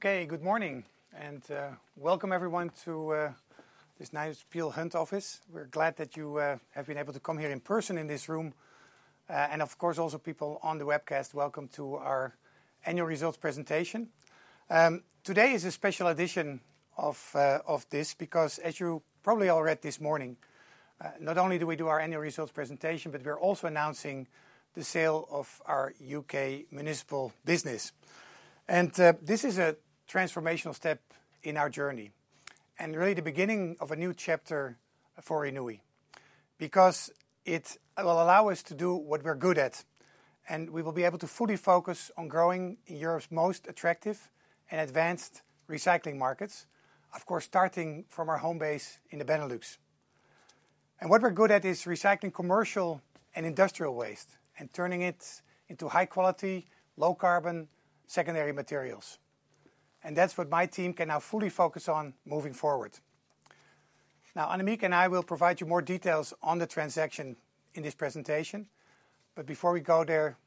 Okay, good morning, and welcome everyone to this nice Peel Hunt office. We're glad that you have been able to come here in person in this room. And of course, also people on the webcast, welcome to our annual results presentation. Today is a special edition of this because, as you probably all read this morning, not only do we do our annual results presentation, but we're also announcing the sale of our UK Municipal business. And this is a transformational step in our journey, and really the beginning of a new chapter for Renewi. Because it will allow us to do what we're good at, and we will be able to fully focus on growing Europe's most attractive and advanced recycling markets, of course, starting from our home base in the Benelux. What we're good at is recycling commercial and industrial waste and turning it into high quality, low carbon, secondary materials, and that's what my team can now fully focus on moving forward. Now, Annemieke and I will provide you more details on the transaction in this presentation, but before we go there,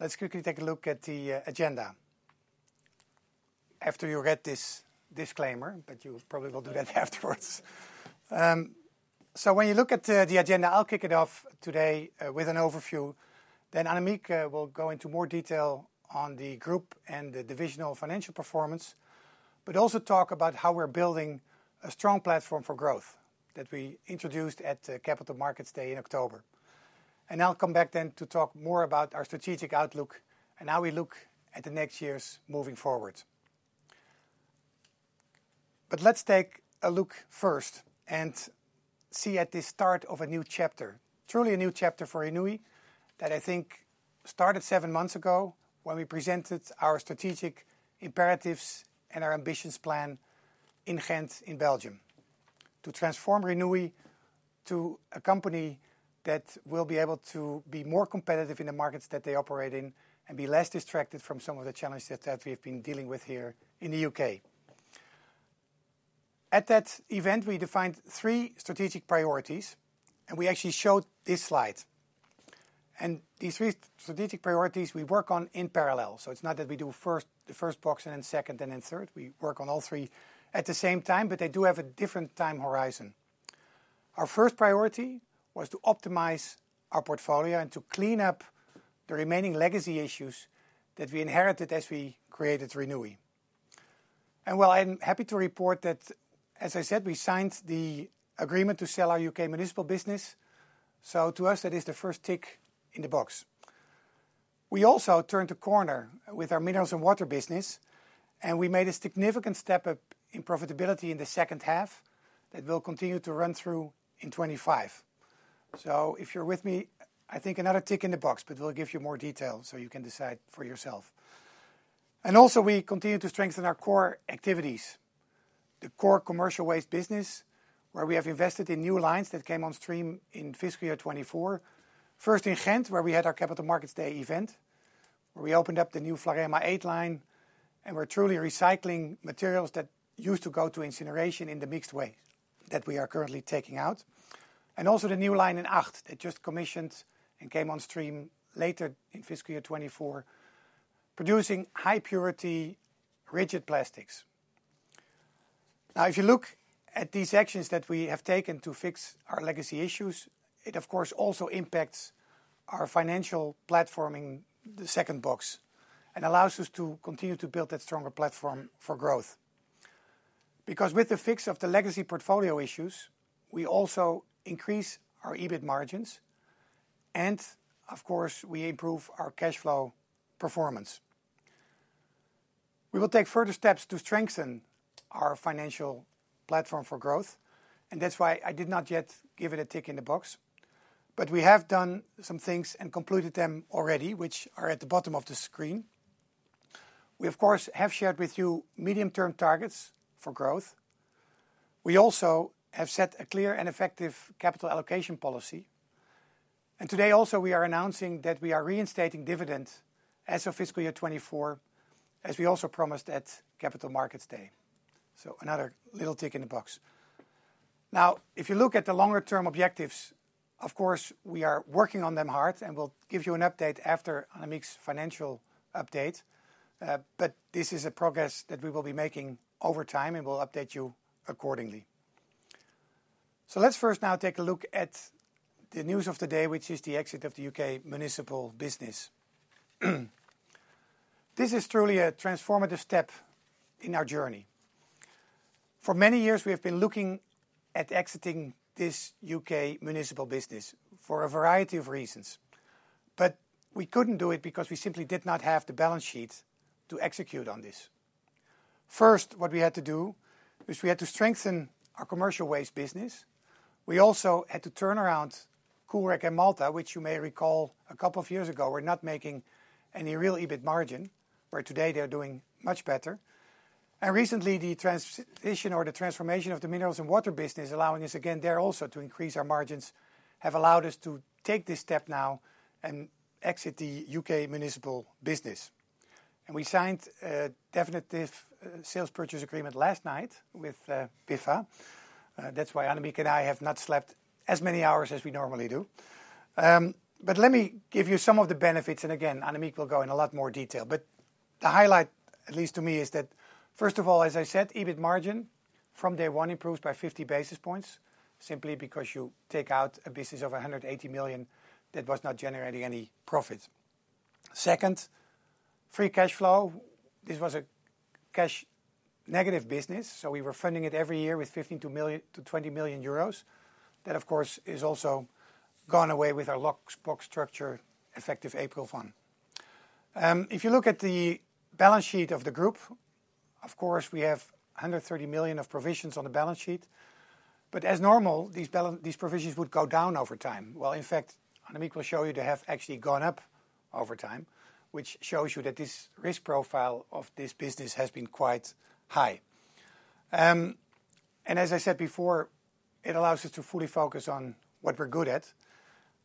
let's quickly take a look at the agenda. After you read this disclaimer, but you probably will do that afterwards. So when you look at the agenda, I'll kick it off today with an overview. Then Annemieke will go into more detail on the group and the divisional financial performance, but also talk about how we're building a strong platform for growth that we introduced at the Capital Markets Day in October. I'll come back then to talk more about our strategic outlook and how we look at the next years moving forward. Let's take a look first and see at the start of a new chapter, truly a new chapter for Renewi, that I think started seven months ago, when we presented our strategic imperatives and our ambitions plan in Ghent, in Belgium, to transform Renewi to a company that will be able to be more competitive in the markets that they operate in and be less distracted from some of the challenges that we've been dealing with here in the U.K. At that event, we defined three strategic priorities, and we actually showed this slide. These three strategic priorities we work on in parallel. It's not that we do first, the first box, and then second, and then third. We work on all three at the same time, but they do have a different time horizon. Our first priority was to optimize our portfolio and to clean up the remaining legacy issues that we inherited as we created Renewi. And, well, I'm happy to report that, as I said, we signed the agreement to sell our UK Municipal business, so to us, that is the first tick in the box. We also turned a corner with our Mineralz & Water business, and we made a significant step up in profitability in the second half that will continue to run through in 25. So if you're with me, I think another tick in the box, but we'll give you more details so you can decide for yourself. And also, we continue to strengthen our core activities. The core Commercial Waste business, where we have invested in new lines that came on stream in fiscal year 2024. First, in Ghent, where we had our Capital Markets Day event, where we opened up the new VLAREMA 8 line, and we're truly recycling materials that used to go to incineration in the mixed way that we are currently taking out. Also the new line in Acht, that just commissioned and came on stream later in fiscal year 2024, producing high purity, rigid plastics. Now, if you look at these actions that we have taken to fix our legacy issues, it, of course, also impacts our financial platform in the second box and allows us to continue to build that stronger platform for growth. Because with the fix of the legacy portfolio issues, we also increase our EBIT margins, and of course, we improve our cash flow performance. We will take further steps to strengthen our financial platform for growth, and that's why I did not yet give it a tick in the box, but we have done some things and completed them already, which are at the bottom of the screen. We, of course, have shared with you medium-term targets for growth. We also have set a clear and effective capital allocation policy, and today also, we are announcing that we are reinstating dividends as of fiscal year 2024, as we also promised at Capital Markets Day. So another little tick in the box. Now, if you look at the longer term objectives, of course, we are working on them hard, and we'll give you an update after Annemieke's financial update, but this is a progress that we will be making over time, and we'll update you accordingly. Let's first now take a look at the news of the day, which is the exit of the U.K. Municipal business. This is truly a transformative step in our journey. For many years, we have been looking at exiting this U.K. Municipal business for a variety of reasons, but we couldn't do it because we simply did not have the balance sheet to execute on this. First, what we had to do is we had to strengthen our Commercial Waste business. We also had to turn around Coolrec and Maltha, which you may recall a couple of years ago, were not making any real EBIT margin, where today they are doing much better. Recently, the transition or the transformation of the Mineralz & Water business, allowing us again there also to increase our margins, have allowed us to take this step now and exit the UK Municipal business. We signed a definitive Sale and Purchase Agreement last night with Biffa. That's why Annemieke and I have not slept as many hours as we normally do. But let me give you some of the benefits, and again, Annemieke will go in a lot more detail. But the highlight, at least to me, is that, first of all, as I said, EBIT margin from day one improves by 50 basis points, simply because you take out a business of 180 million that was not generating any profit. Second, free cash flow. This was a cash negative business, so we were funding it every year with 15 million-20 million euros. That, of course, is also gone away with our lockbox structure, effective April 1. If you look at the balance sheet of the group, of course, we have 130 million of provisions on the balance sheet, but as normal, these provisions would go down over time. Well, in fact, Annemieke will show you they have actually gone up over time, which shows you that this risk profile of this business has been quite high. And as I said before, it allows us to fully focus on what we're good at.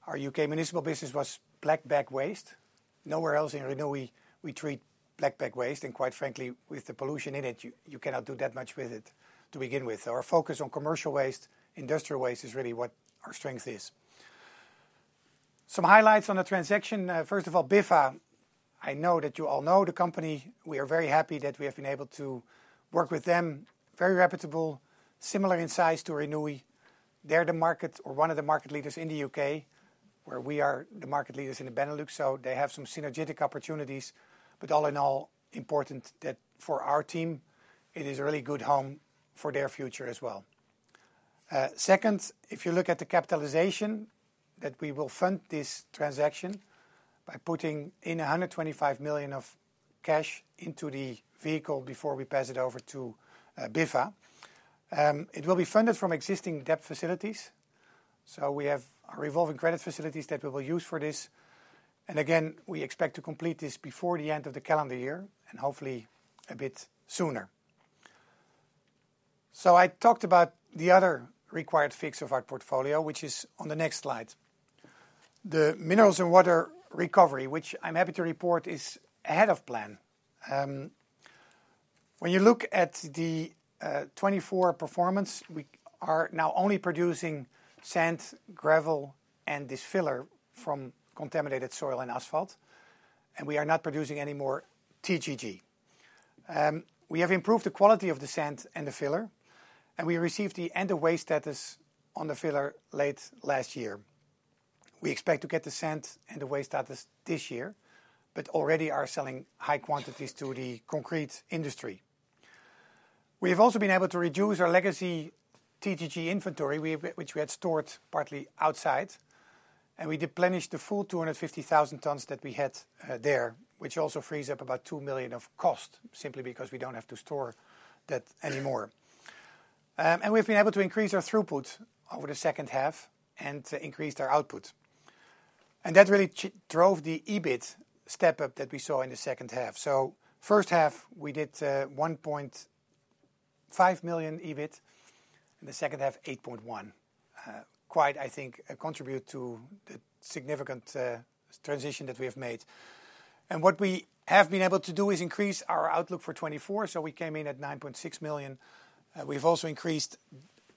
Our UK Municipal business was black bag waste. Nowhere else in Renewi we treat black bag waste, and quite frankly, with the pollution in it, you, you cannot do that much with it to begin with. Our focus on Commercial Waste, industrial waste, is really what our strength is. Some highlights on the transaction. First of all, Biffa, I know that you all know the company. We are very happy that we have been able to work with them. Very reputable, similar in size to Renewi. They're the market or one of the market leaders in the U.K., where we are the market leaders in the Benelux, so they have some synergetic opportunities. But all in all, important that for our team it is a really good home for their future as well. Second, if you look at the capitalization, that we will fund this transaction by putting in 125 million of cash into the vehicle before we pass it over to Biffa. It will be funded from existing debt facilities, so we have revolving credit facilities that we will use for this. And again, we expect to complete this before the end of the calendar year, and hopefully a bit sooner. So I talked about the other required fix of our portfolio, which is on the next slide. The Mineralz & Water recovery, which I'm happy to report, is ahead of plan. When you look at the 2024 performance, we are now only producing sand, gravel, and this filler from contaminated soil and asphalt, and we are not producing any more TGG. We have improved the quality of the sand and the filler, and we received the end-of-waste status on the filler late last year. We expect to get the sand end-of-waste status this year, but already are selling high quantities to the concrete industry. We have also been able to reduce our legacy TGG inventory, which we had stored partly outside, and we replenished the full 250,000 tons that we had there, which also frees up about 2 million of cost, simply because we don't have to store that anymore. And we've been able to increase our throughput over the second half and increase our output. And that really drove the EBIT step-up that we saw in the second half. So first half we did 1.5 million EBIT, in the second half, 8.1 million. Quite, I think, a contribution to the significant transition that we have made. And what we have been able to do is increase our outlook for 2024. So we came in at 9.6 million. We've also increased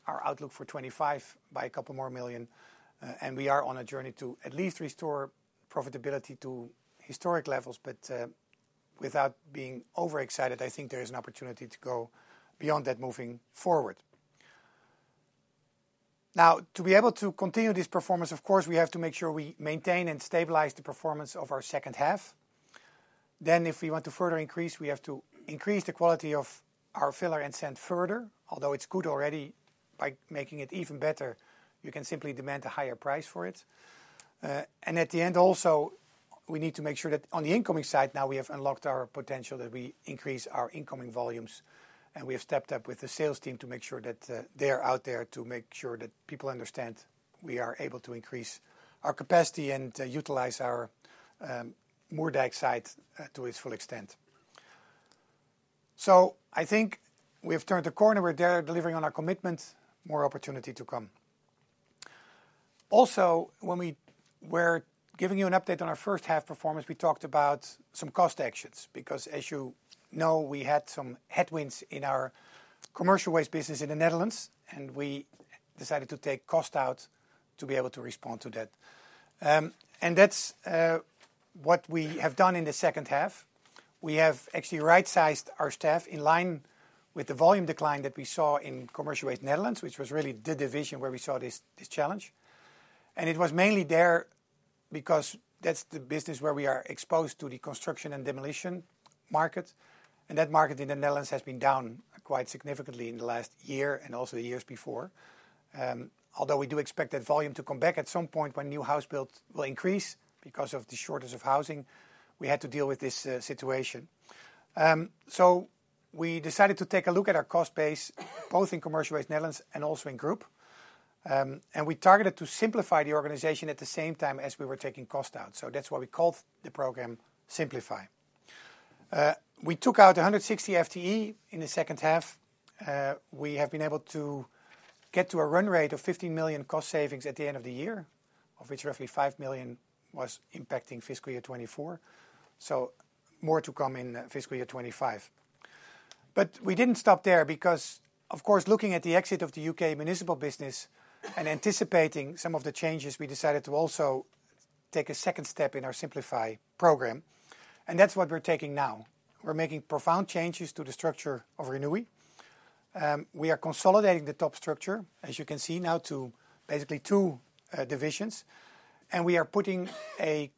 our outlook for 2025 by a couple more million, and we are on a journey to at least restore profitability to historic levels. But, without being overexcited, I think there is an opportunity to go beyond that moving forward. Now, to be able to continue this performance, of course, we have to make sure we maintain and stabilize the performance of our second half. Then, if we want to further increase, we have to increase the quality of our filler and sand further. Although it's good already, by making it even better, you can simply demand a higher price for it. And at the end, also, we need to make sure that on the incoming side, now we have unlocked our potential, that we increase our incoming volumes, and we have stepped up with the sales team to make sure that they are out there, to make sure that people understand we are able to increase our capacity and to utilize our Moerdijk to its full extent. So I think we have turned the corner. We're there delivering on our commitment, more opportunity to come. Also, when we were giving you an update on our first half performance, we talked about some cost actions because, as you know, we had some headwinds in our Commercial Waste business in the Netherlands, and we decided to take cost out to be able to respond to that. That's what we have done in the second half. We have actually right-sized our staff in line with the volume decline that we saw in Commercial Waste Netherlands, which was really the division where we saw this, this challenge. It was mainly there because that's the business where we are exposed to the construction and demolition market, and that market in the Netherlands has been down quite significantly in the last year and also the years before. Although we do expect that volume to come back at some point when new house build will increase because of the shortage of housing, we had to deal with this situation. So we decided to take a look at our cost base, both in Commercial Waste Netherlands and also in group. We targeted to simplify the organization at the same time as we were taking costs down, so that's why we called the program Simplify. We took out 160 FTE in the second half. We have been able to get to a run rate of 15 million cost savings at the end of the year, of which roughly 5 million was impacting fiscal year 2024, so more to come in fiscal year 2025. But we didn't stop there because, of course, looking at the exit of the UK Municipal business and anticipating some of the changes, we decided to also take a second step in our Simplify program, and that's what we're taking now. We're making profound changes to the structure of Renewi. We are consolidating the top structure, as you can see now, to basically two divisions, and we are putting a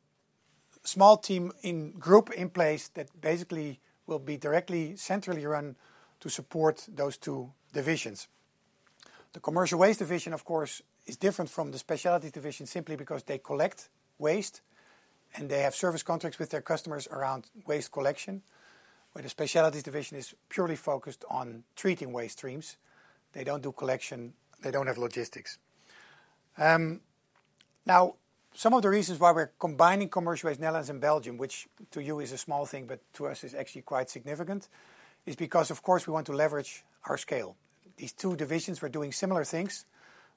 small team in group in place that basically will be directly centrally run to support those two divisions. The Commercial Waste division, of course, is different from the Specialities division simply because they collect waste, and they have service contracts with their customers around waste collection, where the Specialities division is purely focused on treating waste streams. They don't do collection, they don't have logistics. Now, some of the reasons why we're combining Commercial Waste, Netherlands and Belgium, which to you is a small thing, but to us is actually quite significant, is because, of course, we want to leverage our scale. These two divisions were doing similar things.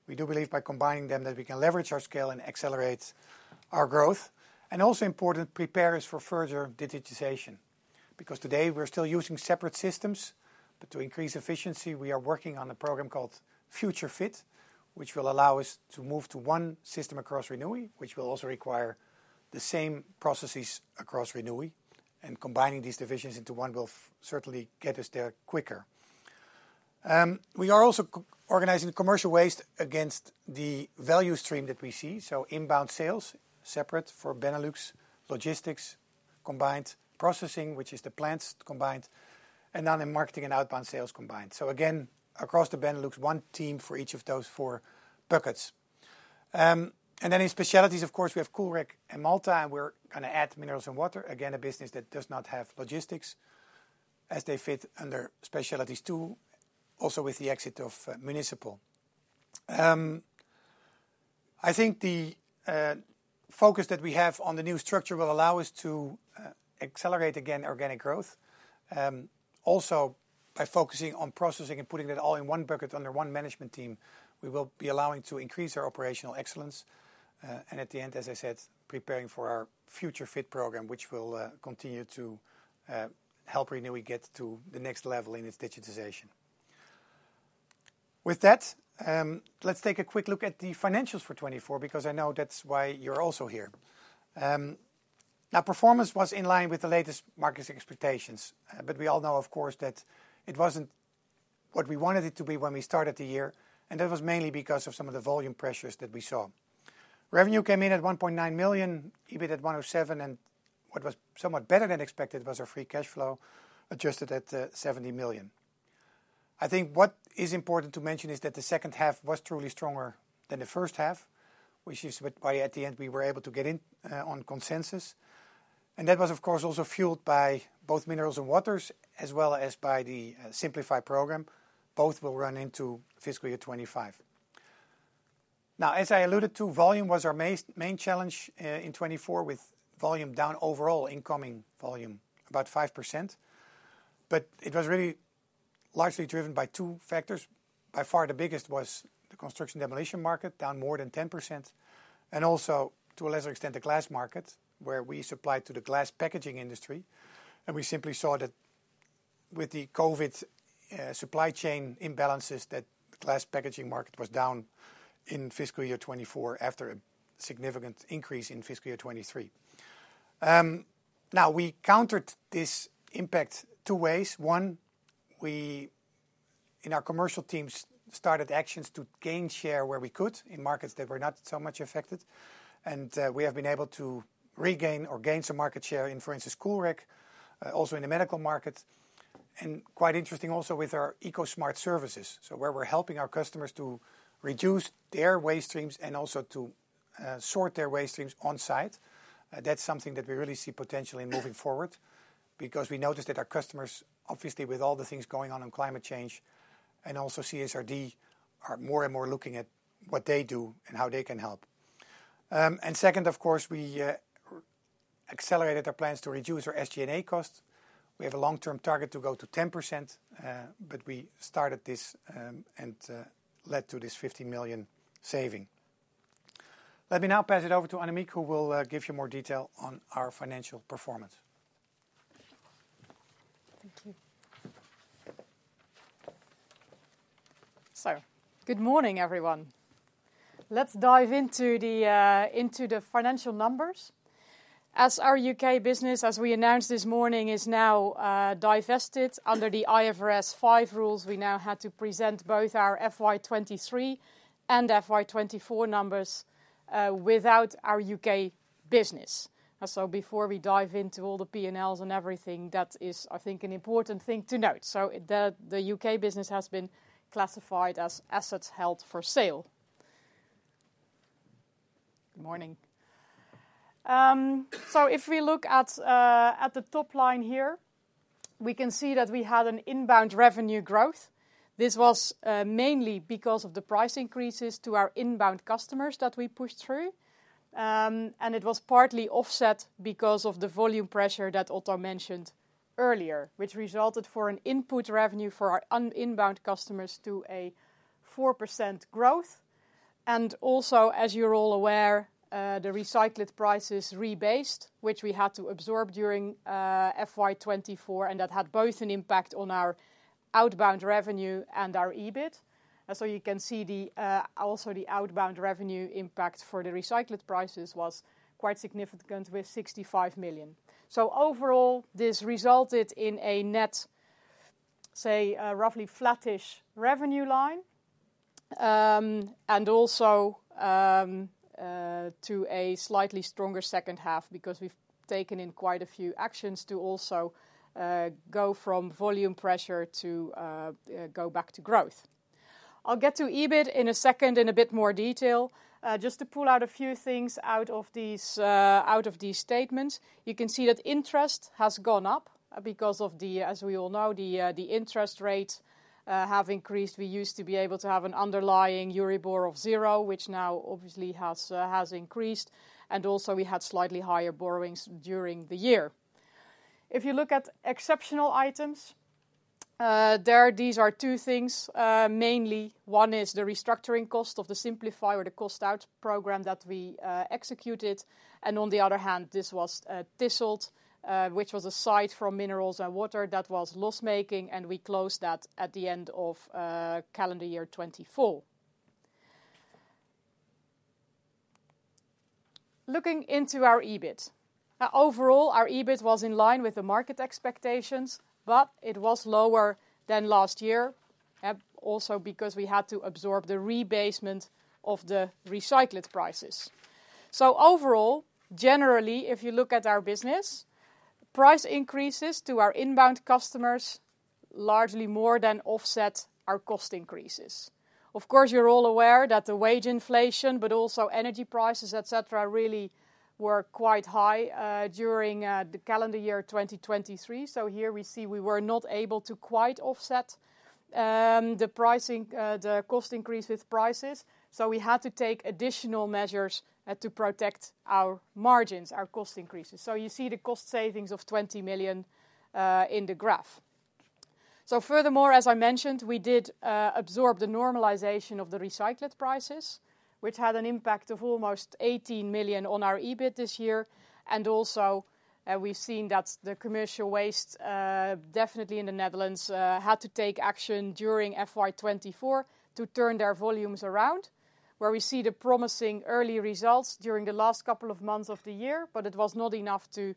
We do believe by combining them, that we can leverage our scale and accelerate our growth, and also important, prepare us for further digitization. Because today we're still using separate systems, but to increase efficiency, we are working on a program called Future Fit, which will allow us to move to one system across Renewi, which will also require the same processes across Renewi, and combining these divisions into one will certainly get us there quicker. We are also organizing Commercial Waste against the value stream that we see, so inbound sales, separate for Benelux logistics, combined processing, which is the plants combined, and then in marketing and outbound sales combined. So again, across the Benelux, one team for each of those four buckets. And then in Specialities, of course, we have Coolrec and Maltha, and we're gonna add Mineralz & Water. Again, a business that does not have logistics, as they fit under Specialities, too, also with the exit of Municipal. I think the focus that we have on the new structure will allow us to accelerate, again, organic growth. Also, by focusing on processing and putting it all in one bucket under one management team, we will be allowing to increase our operational excellence, and at the end, as I said, preparing for our Future Fit program, which will continue to help Renewi get to the next level in its digitization. With that, let's take a quick look at the financials for 2024, because I know that's why you're also here. Now performance was in line with the latest market's expectations, but we all know, of course, that it wasn't what we wanted it to be when we started the year, and that was mainly because of some of the volume pressures that we saw. Revenue came in at 1.9 million, EBIT at 107, and what was somewhat better than expected was our free cash flow, adjusted at 70 million. I think what is important to mention is that the second half was truly stronger than the first half, which is why at the end, we were able to get in on consensus. And that was, of course, also fueled by both Mineralz & Water, as well as by the Simplify program. Both will run into fiscal year 2025. Now, as I alluded to, volume was our main challenge in 2024, with volume down overall, incoming volume, about 5%. But it was really largely driven by two factors. By far, the biggest was the construction demolition market, down more than 10%, and also, to a lesser extent, the glass market, where we supplied to the glass packaging industry. And we simply saw that with the COVID, supply chain imbalances, that glass packaging market was down in fiscal year 2024 after a significant increase in fiscal year 2023. Now, we countered this impact two ways. One, we, in our commercial teams, started actions to gain share where we could in markets that were not so much affected, and, we have been able to regain or gain some market share in, for instance, Coolrec, also in the medical market, and quite interesting also with our EcoSmart services. So where we're helping our customers to reduce their waste streams and also to sort their waste streams on site, that's something that we really see potentially moving forward because we noticed that our customers, obviously, with all the things going on in climate change and also CSRD, are more and more looking at what they do and how they can help. And second, of course, we accelerated our plans to reduce our SG&A costs. We have a long-term target to go to 10%, but we started this and led to this 50 million saving. Let me now pass it over to Annemieke, who will give you more detail on our financial performance. Thank you. So good morning, everyone. Let's dive into the financial numbers. As our UK business, as we announced this morning, is now divested under the IFRS 5 rules, we now had to present both our FY 2023 and FY 2024 numbers without our UK business. So before we dive into all the P&Ls and everything, that is, I think, an important thing to note. So the UK business has been classified as assets held for sale. Good morning. So if we look at the top line here, we can see that we had an inbound revenue growth. This was mainly because of the price increases to our inbound customers that we pushed through. And it was partly offset because of the volume pressure that Otto mentioned earlier, which resulted in an input revenue for our inbound customers to a 4% growth. And also, as you're all aware, the recyclate prices rebased, which we had to absorb during FY 2024, and that had both an impact on our outbound revenue and our EBIT. And so you can see the also the outbound revenue impact for the recyclate prices was quite significant with 65 million. So overall, this resulted in a net, say, a roughly flattish revenue line, and also to a slightly stronger second half because we've taken in quite a few actions to also go from volume pressure to go back to growth. I'll get to EBIT in a second in a bit more detail. Just to pull out a few things out of these statements, you can see that interest has gone up because of the, As we all know, the interest rates have increased. We used to be able to have an underlying Euribor of zero, which now obviously has increased, and also we had slightly higher borrowings during the year. If you look at exceptional items, there these are two things. Mainly, one is the restructuring cost of the Simplify or the cost out program that we executed, and on the other hand, this was Tisselt, which was a site for Mineralz & Water that was loss-making, and we closed that at the end of calendar year 2024. Looking into our EBIT. Overall, our EBIT was in line with the market expectations, but it was lower than last year, also because we had to absorb the rebasement of the recyclate prices. So overall, generally, if you look at our business, price increases to our inbound customers largely more than offset our cost increases. Of course, you're all aware that the wage inflation, but also energy prices, et cetera, really were quite high during the calendar year 2023. So here we see we were not able to quite offset the pricing the cost increase with prices, so we had to take additional measures to protect our margins, our cost increases. So you see the cost savings of 20 million in the graph. So furthermore, as I mentioned, we did absorb the normalization of the recyclate prices, which had an impact of almost 18 million on our EBIT this year. And also, we've seen that the Commercial Waste, definitely in the Netherlands, had to take action during FY 2024 to turn their volumes around, where we see the promising early results during the last couple of months of the year, but it was not enough to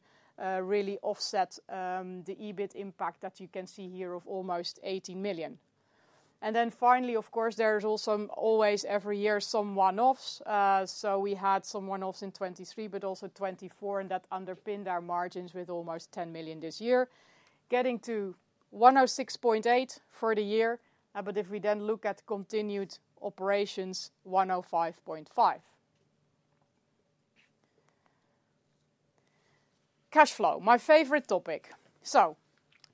really offset the EBIT impact that you can see here of almost 80 million. And then finally, of course, there is also always every year some one-offs. So we had some one-offs in 2023, but also 2024, and that underpinned our margins with almost 10 million this year, getting to 106.8 million for the year. But if we then look at continuing operations, 105.5 million. Cash flow, my favorite topic. So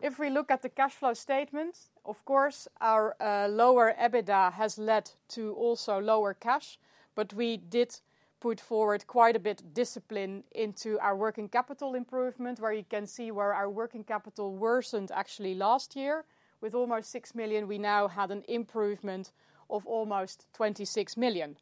if we look at the cash flow statement, of course, our lower EBITDA has led to also lower cash, but we did put forward quite a bit of discipline into our working capital improvement, where you can see where our working capital worsened actually last year with almost 6 million; we now had an improvement of almost 26 million.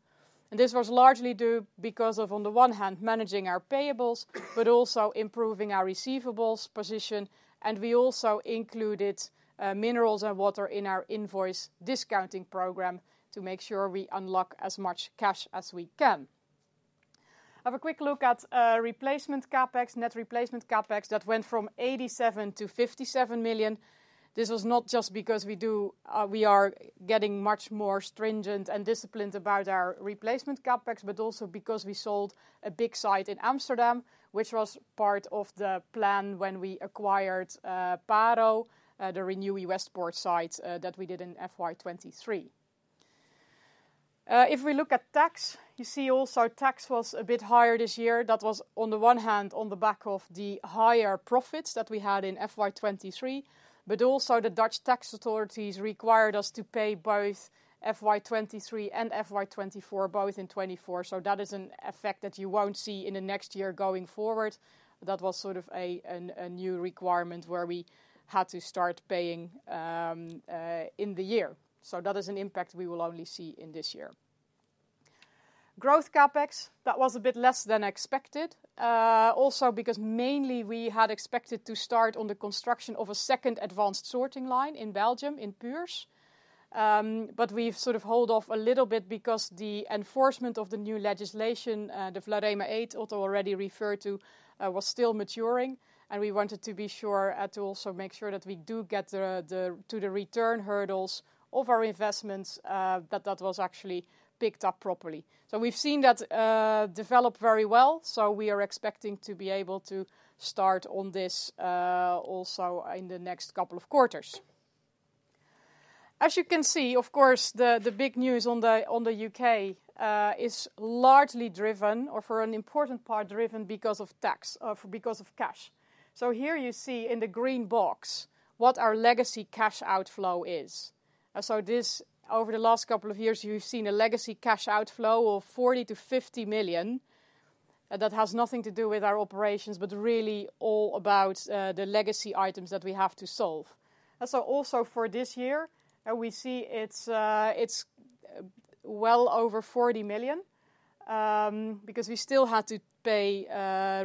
And this was largely due because of, on the one hand, managing our payables, but also improving our receivables position, and we also included Mineralz & Water in our invoice discounting program to make sure we unlock as much cash as we can. Have a quick look at replacement CapEx, net replacement CapEx, that went from 87 million to 57 million. This was not just because we do. We are getting much more stringent and disciplined about our replacement CapEx, but also because we sold a big site in Amsterdam, which was part of the plan when we acquired Paro, the Renewi Westpoort site, that we did in FY 2023. If we look at tax, you see also tax was a bit higher this year. That was on the one hand, on the back of the higher profits that we had in FY 2023, but also the Dutch tax authorities required us to pay both FY 2023 and FY 2024, both in 2024. So that is an effect that you won't see in the next year going forward. That was sort of a new requirement where we had to start paying in the year. So that is an impact we will only see in this year. Growth CapEx, that was a bit less than expected, also because mainly we had expected to start on the construction of a second advanced sorting line in Belgium, in Puurs. But we've sort of hold off a little bit because the enforcement of the new legislation, the VLAREMA, Otto already referred to, was still maturing. And we wanted to be sure, to also make sure that we do get to the return hurdles of our investments, that that was actually picked up properly. So we've seen that, develop very well, so we are expecting to be able to start on this, also in the next couple of quarters. As you can see, of course, the big news on the UK is largely driven, or for an important part, driven because of tax, because of cash. So here you see in the green box what our legacy cash outflow is. So this, over the last couple of years, you've seen a legacy cash outflow of 40 million-50 million. That has nothing to do with our operations, but really all about the legacy items that we have to solve. And so also for this year, we see it's well over 40 million, because we still had to pay,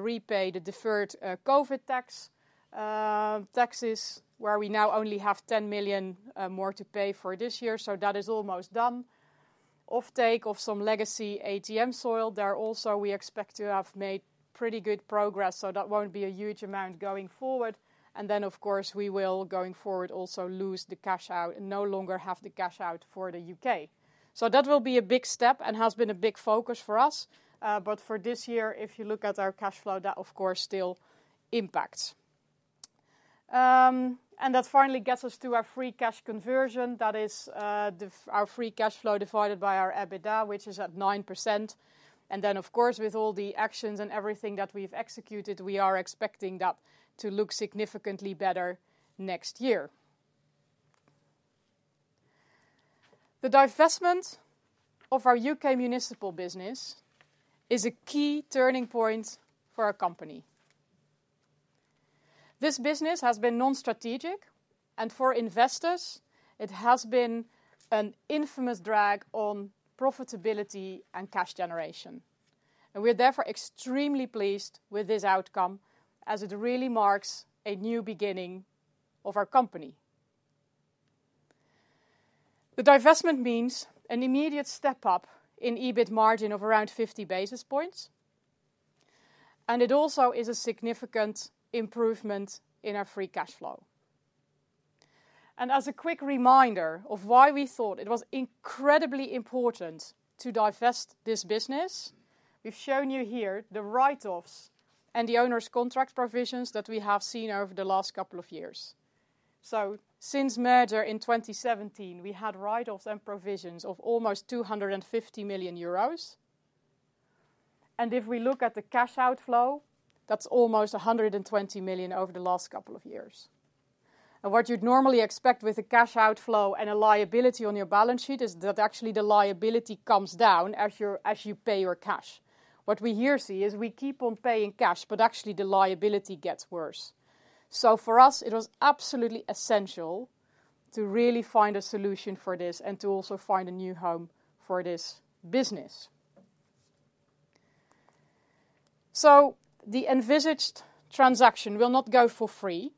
repay the deferred COVID tax taxes, where we now only have 10 million more to pay for this year, so that is almost done. Offtake of some legacy ATM soil, there also we expect to have made pretty good progress, so that won't be a huge amount going forward. And then, of course, we will, going forward, also lose the cash out and no longer have the cash out for the UK. So that will be a big step and has been a big focus for us, but for this year, if you look at our cash flow, that, of course, still impacts. And that finally gets us to our free cash conversion. That is, our free cash flow divided by our EBITDA, which is at 9%. And then, of course, with all the actions and everything that we've executed, we are expecting that to look significantly better next year. The divestment of our UK Municipal business is a key turning point for our company. This business has been non-strategic, and for investors, it has been an infamous drag on profitability and cash generation. We're therefore extremely pleased with this outcome, as it really marks a new beginning of our company. The divestment means an immediate step up in EBIT margin of around 50 basis points, and it also is a significant improvement in our free cash flow. As a quick reminder of why we thought it was incredibly important to divest this business, we've shown you here the write-offs and the onerous contract provisions that we have seen over the last couple of years. Since merger in 2017, we had write-offs and provisions of almost 250 million euros. If we look at the cash outflow, that's almost 120 million over the last couple of years. What you'd normally expect with a cash outflow and a liability on your balance sheet is that actually the liability comes down as you pay your cash. What we here see is we keep on paying cash, but actually, the liability gets worse. So for us, it was absolutely essential to really find a solution for this and to also find a new home for this business. So the envisaged transaction will not go for free.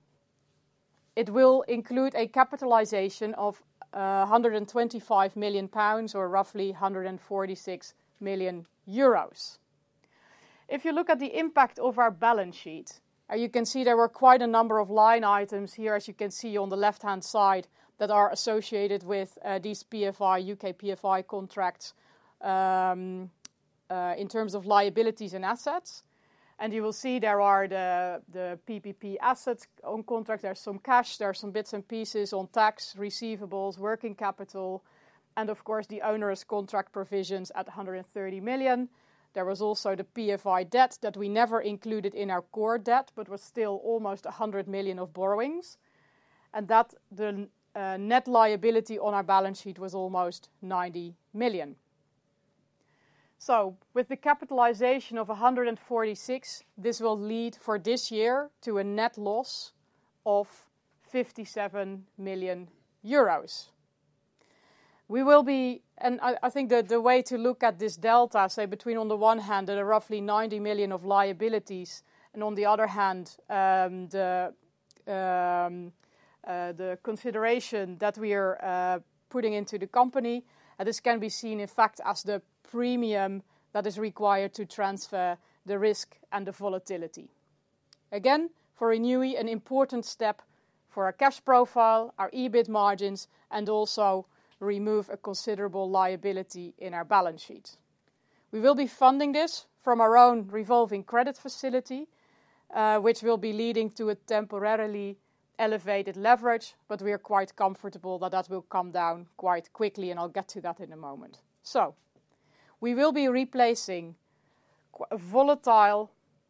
It will include a capitalization of a hundred and twenty-five million pounds, or roughly a hundred and forty-six million euros. If you look at the impact of our balance sheet, you can see there were quite a number of line items here, as you can see on the left-hand side, that are associated with these PFI, UK PFI contracts, in terms of liabilities and assets. And you will see there are the, the PPP assets on contract. There's some cash, there are some bits and pieces on tax receivables, working capital, and of course, the Onerous Contract Provisions at 130 million. There was also the PFI debt that we never included in our core debt, but was still almost 100 million of borrowings, and that the net liability on our balance sheet was almost 90 million. So with the capitalization of 146 million, this will lead for this year to a net loss of 57 million euros. We will be. I think the way to look at this delta, say, between, on the one hand, there are roughly 90 million of liabilities, and on the other hand, the consideration that we are putting into the company, this can be seen, in fact, as the premium that is required to transfer the risk and the volatility. Again, for Renewi, an important step for our cash profile, our EBIT margins, and also remove a considerable liability in our balance sheet. We will be funding this from our own revolving credit facility, which will be leading to a temporarily elevated leverage, but we are quite comfortable that that will come down quite quickly, and I'll get to that in a moment. So we will be replacing quite volatile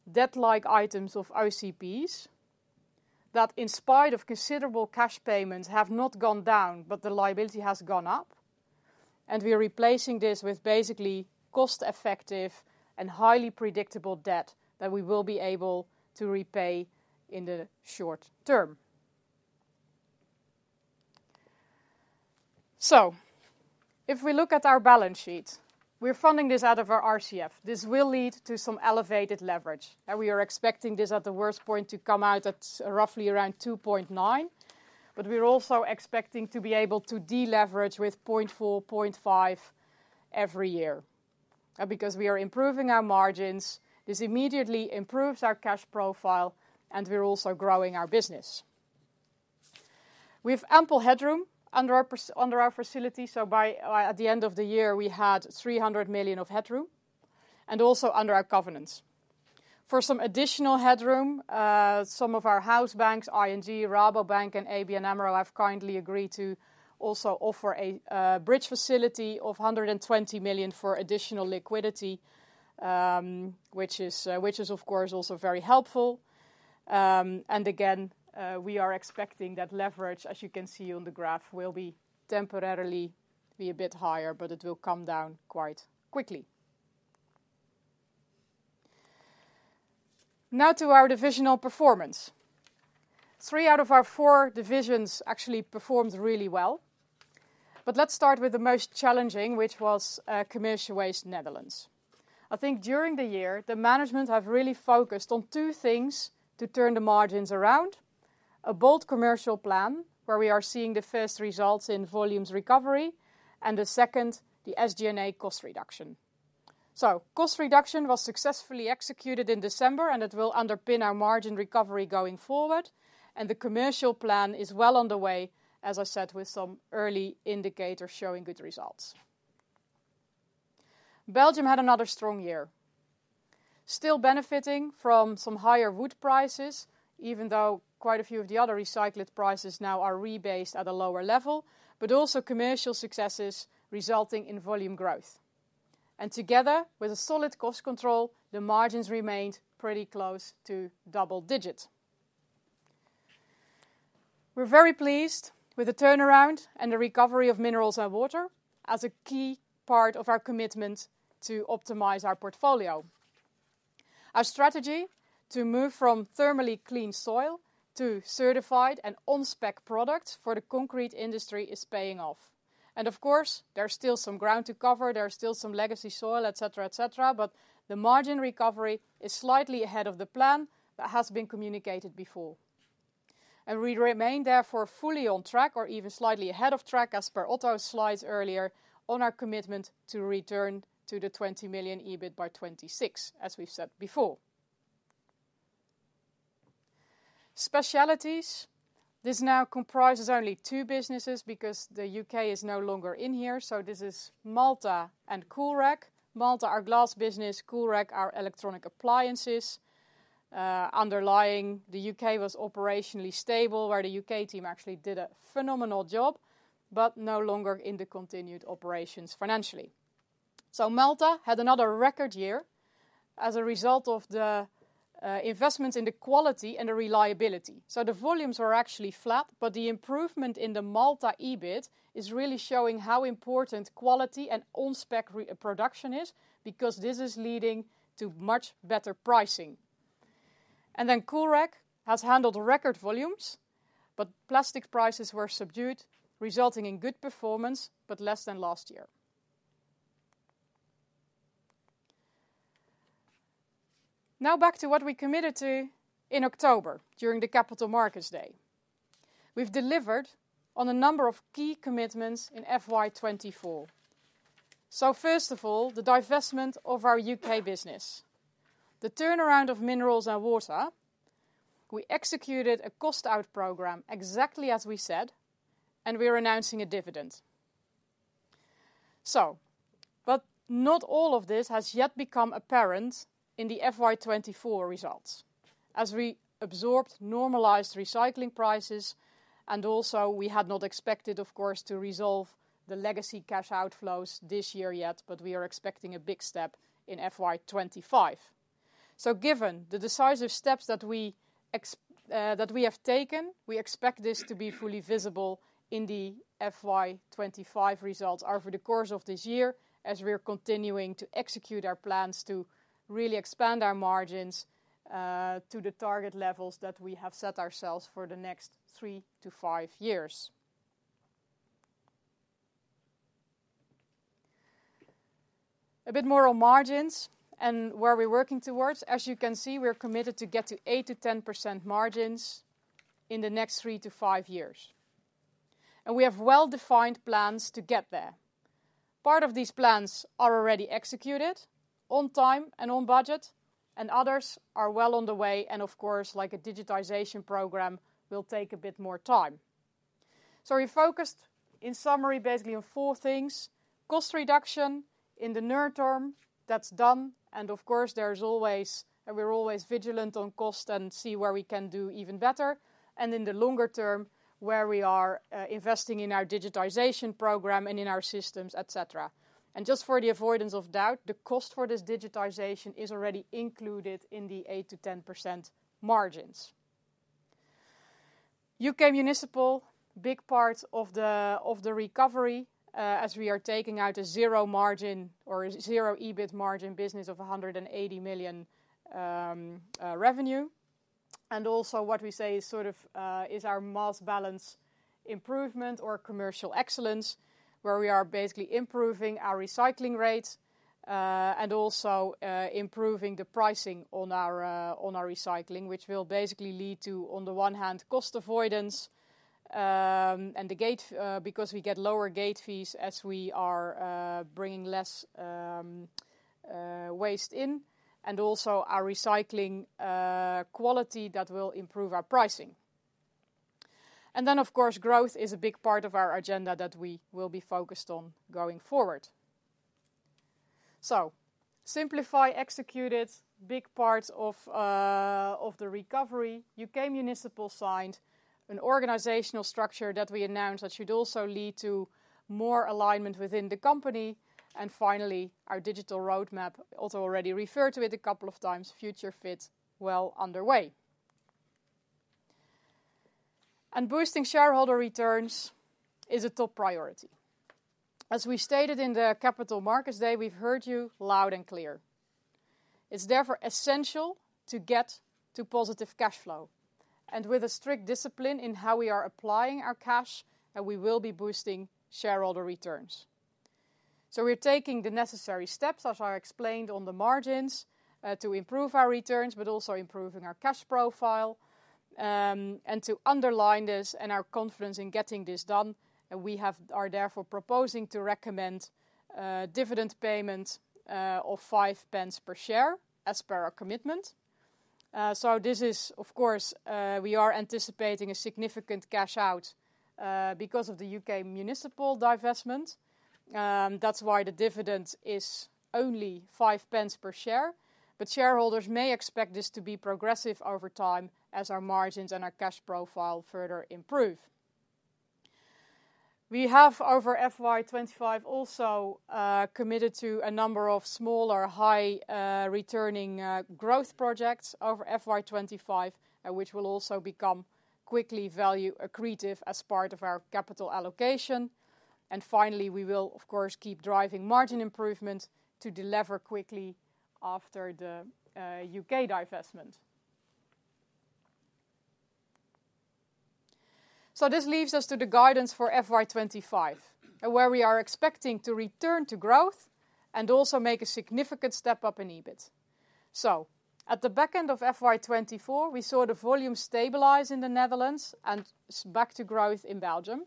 debt-like items of OCPs that, in spite of considerable cash payments, have not gone down, but the liability has gone up, and we are replacing this with basically cost-effective and highly predictable debt that we will be able to repay in the short term. So if we look at our balance sheet, we're funding this out of our RCF. This will lead to some elevated leverage, and we are expecting this at the worst point to come out at roughly around 2.9. But we're also expecting to be able to deleverage with 0.4, 0.5 every year. Because we are improving our margins, this immediately improves our cash profile, and we're also growing our business. We have ample headroom under our facility, so by the end of the year, we had 300 million of headroom, and also under our covenants. For some additional headroom, some of our house banks, ING, Rabobank, and ABN AMRO, have kindly agreed to also offer a bridge facility of 120 million for additional liquidity, which is, of course, also very helpful, and again, we are expecting that leverage, as you can see on the graph, will temporarily be a bit higher, but it will come down quite quickly. Now to our divisional performance. Three out of our four divisions actually performed really well, but let's start with the most challenging, which was Commercial Waste Netherlands. I think during the year, the management have really focused on two things to turn the margins around: a bold commercial plan, where we are seeing the first results in volumes recovery, and the second, the SG&A cost reduction. So cost reduction was successfully executed in December, and it will underpin our margin recovery going forward, and the commercial plan is well on the way, as I said, with some early indicators showing good results. Belgium had another strong year, still benefiting from some higher wood prices, even though quite a few of the other recycled prices now are rebased at a lower level, but also commercial successes resulting in volume growth. And together, with a solid cost control, the margins remained pretty close to double digits. We're very pleased with the turnaround and the recovery of Mineralz & Water as a key part of our commitment to optimize our portfolio. Our strategy to move from thermally clean soil to certified and on-spec products for the concrete industry is paying off. And of course, there's still some ground to cover, there are still some legacy soil, et cetera, et cetera, but the margin recovery is slightly ahead of the plan that has been communicated before. We remain therefore fully on track or even slightly ahead of track, as per Otto's slides earlier, on our commitment to return to the 20 million EBIT by 2026, as we've said before. Specialities. This now comprises only two businesses because the UK is no longer in here, so this is Maltha and Coolrec. Maltha, our glass business. Coolrec, our electronic appliances. Underlying, the U.K. was operationally stable, where the U.K. team actually did a phenomenal job, but no longer in the continued operations financially. So Maltha had another record year as a result of the investment in the quality and the reliability. So the volumes were actually flat, but the improvement in the Maltha EBIT is really showing how important quality and on-spec re-production is, because this is leading to much better pricing. And then Coolrec has handled record volumes, but plastic prices were subdued, resulting in good performance, but less than last year. Now back to what we committed to in October, during the Capital Markets Day. We've delivered on a number of key commitments in FY 2024. So first of all, the divestment of our U.K. business. The turnaround of Mineralz & Water, we executed a cost-out program exactly as we said, and we are announcing a dividend. So, but not all of this has yet become apparent in the FY 2024 results, as we absorbed normalized recycling prices, and also we had not expected, of course, to resolve the legacy cash outflows this year yet, but we are expecting a big step in FY 2025. So given the decisive steps that we have taken, we expect this to be fully visible in the FY 2025 results over the course of this year, as we are continuing to execute our plans to really expand our margins to the target levels that we have set ourselves for the next three to five years. A bit more on margins and where we're working towards. As you can see, we're committed to get to 8%-10% margins in the next 3-5 years, and we have well-defined plans to get there. Part of these plans are already executed on time and on budget, and others are well on the way, and of course, like a digitization program, will take a bit more time. So we focused, in summary, basically on 4 things: cost reduction in the near term, that's done, and of course, there's always and we're always vigilant on cost and see where we can do even better, and in the longer term, where we are, investing in our digitization program and in our systems, et cetera. Just for the avoidance of doubt, the cost for this digitization is already included in the 8%-10% margins. UK Municipal, big part of the recovery, as we are taking out a zero margin or zero EBIT margin business of 180 million revenue. And also what we say is sort of is our mass balance improvement or commercial excellence, where we are basically improving our recycling rates and also improving the pricing on our on our recycling, which will basically lead to, on the one hand, cost avoidance and the gate because we get lower gate fees as we are bringing less waste in, and also our recycling quality that will improve our pricing. And then, of course, growth is a big part of our agenda that we will be focused on going forward. So Simplify executed big parts of the recovery. UK Municipal signed an organizational structure that we announced that should also lead to more alignment within the company. And finally, our digital roadmap, also already referred to it a couple of times, Future Fit well underway. Boosting shareholder returns is a top priority. As we stated in the Capital Markets Day, we've heard you loud and clear. It's therefore essential to get to positive cash flow, and with a strict discipline in how we are applying our cash, then we will be boosting shareholder returns. We're taking the necessary steps, as I explained, on the margins, to improve our returns, but also improving our cash profile. To underline this and our confidence in getting this done, we are therefore proposing to recommend dividend payment of 0.05 per share, as per our commitment. So this is, of course, we are anticipating a significant cash out because of the U.K. Municipal divestment. That's why the dividend is only 0.05 per share. But shareholders may expect this to be progressive over time as our margins and our cash profile further improve. We have, over FY 25, also committed to a number of smaller, high returning growth projects over FY 25, and which will also become quickly value accretive as part of our capital allocation. And finally, we will, of course, keep driving margin improvement to deliver quickly after the U.K. divestment. So this leads us to the guidance for FY 25, where we are expecting to return to growth and also make a significant step up in EBIT. At the back end of FY 2024, we saw the volume stabilize in the Netherlands and back to growth in Belgium.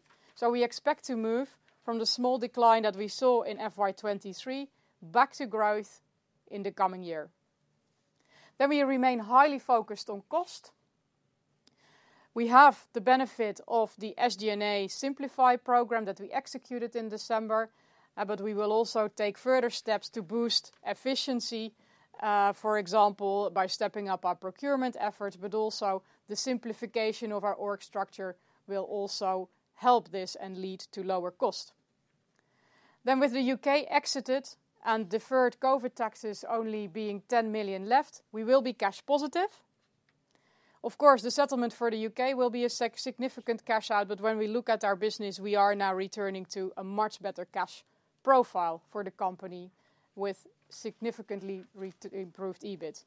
We expect to move from the small decline that we saw in FY 2023 back to growth in the coming year. We remain highly focused on cost. We have the benefit of the SG&A Simplify program that we executed in December, but we will also take further steps to boost efficiency, for example, by stepping up our procurement efforts, but also the simplification of our org structure will also help this and lead to lower cost. With the UK exited and deferred COVID taxes only being 10 million left, we will be cash positive. Of course, the settlement for the UK will be a significant cash out, but when we look at our business, we are now returning to a much better cash profile for the company with significantly improved EBIT.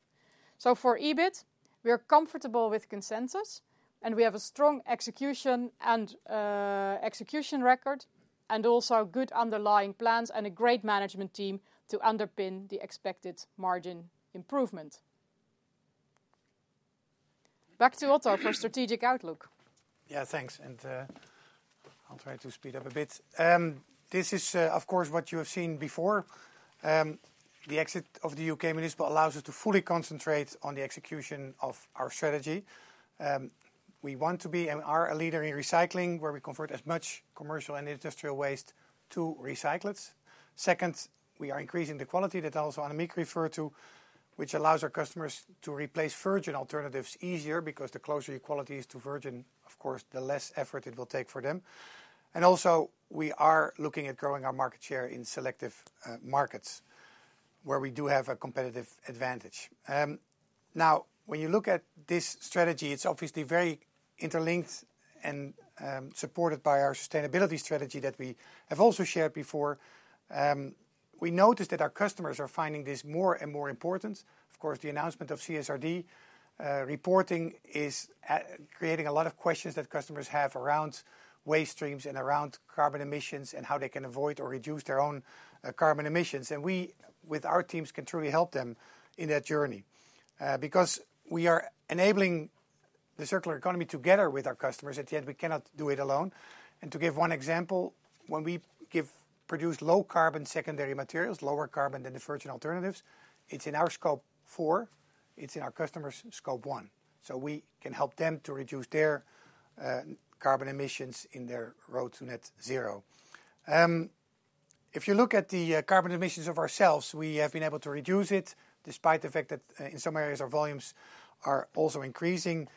So for EBIT, we are comfortable with consensus, and we have a strong execution and execution record, and also good underlying plans and a great management team to underpin the expected margin improvement. Back to Otto for strategic outlook. Yeah, thanks. I'll try to speed up a bit. This is, of course, what you have seen before. The exit of the U.K. Municipal allows us to fully concentrate on the execution of our strategy. We want to be and are a leader in recycling, where we convert as much commercial and industrial waste to recyclates. Second, we are increasing the quality that also Annemieke referred to, which allows our customers to replace virgin alternatives easier, because the closer your quality is to virgin, of course, the less effort it will take for them. And also, we are looking at growing our market share in selective markets, where we do have a competitive advantage. Now, when you look at this strategy, it's obviously very interlinked and supported by our sustainability strategy that we have also shared before. We noticed that our customers are finding this more and more important. Of course, the announcement of CSRD reporting is creating a lot of questions that customers have around waste streams and around carbon emissions, and how they can avoid or reduce their own carbon emissions. We, with our teams, can truly help them in that journey, because we are enabling the circular economy together with our customers, and yet we cannot do it alone. To give one example, when we produce low-carbon secondary materials, lower carbon than the virgin alternatives, it's in our Scope 4, it's in our customers' Scope 1. We can help them to reduce their carbon emissions in their road to net zero. If you look at the carbon emissions of ourselves, we have been able to reduce it, despite the fact that in some areas, our volumes are also increasing, and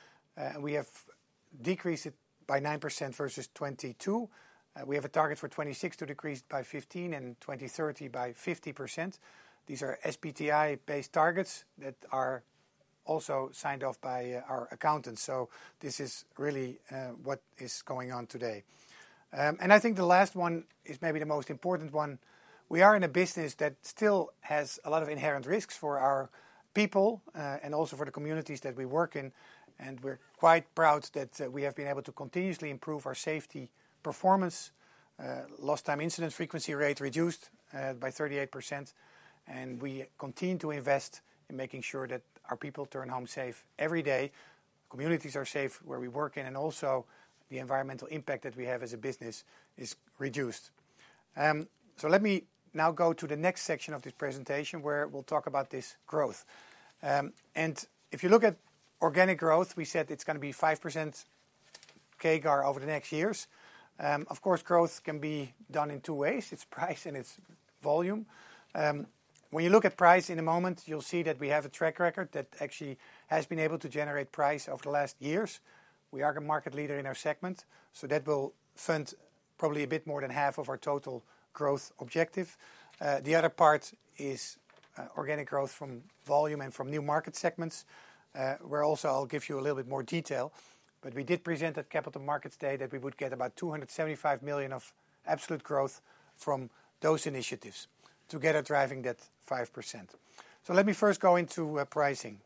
we have decreased it by 9% versus 2022. We have a target for 2026 to decrease by 15%, and 2030 by 50%. These are SBTi-based targets that are also signed off by our accountants, so this is really what is going on today. And I think the last one is maybe the most important one. We are in a business that still has a lot of inherent risks for our people, and also for the communities that we work in, and we're quite proud that we have been able to continuously improve our safety performance. Lost Time Incident Frequency Rate reduced by 38%, and we continue to invest in making sure that our people return home safe every day, communities are safe where we work in, and also the environmental impact that we have as a business is reduced. So let me now go to the next section of this presentation, where we'll talk about this growth. And if you look at organic growth, we said it's gonna be 5% CAGR over the next years. Of course, growth can be done in two ways: it's price and it's volume. When you look at price in a moment, you'll see that we have a track record that actually has been able to generate price over the last years. We are a market leader in our segment, so that will fund- probably a bit more than half of our total growth objective. The other part is organic growth from volume and from new market segments, where also I'll give you a little bit more detail, but we did present at Capital Markets Day that we would get about 275 million of absolute growth from those initiatives, together driving that 5%. So let me first go into pricing.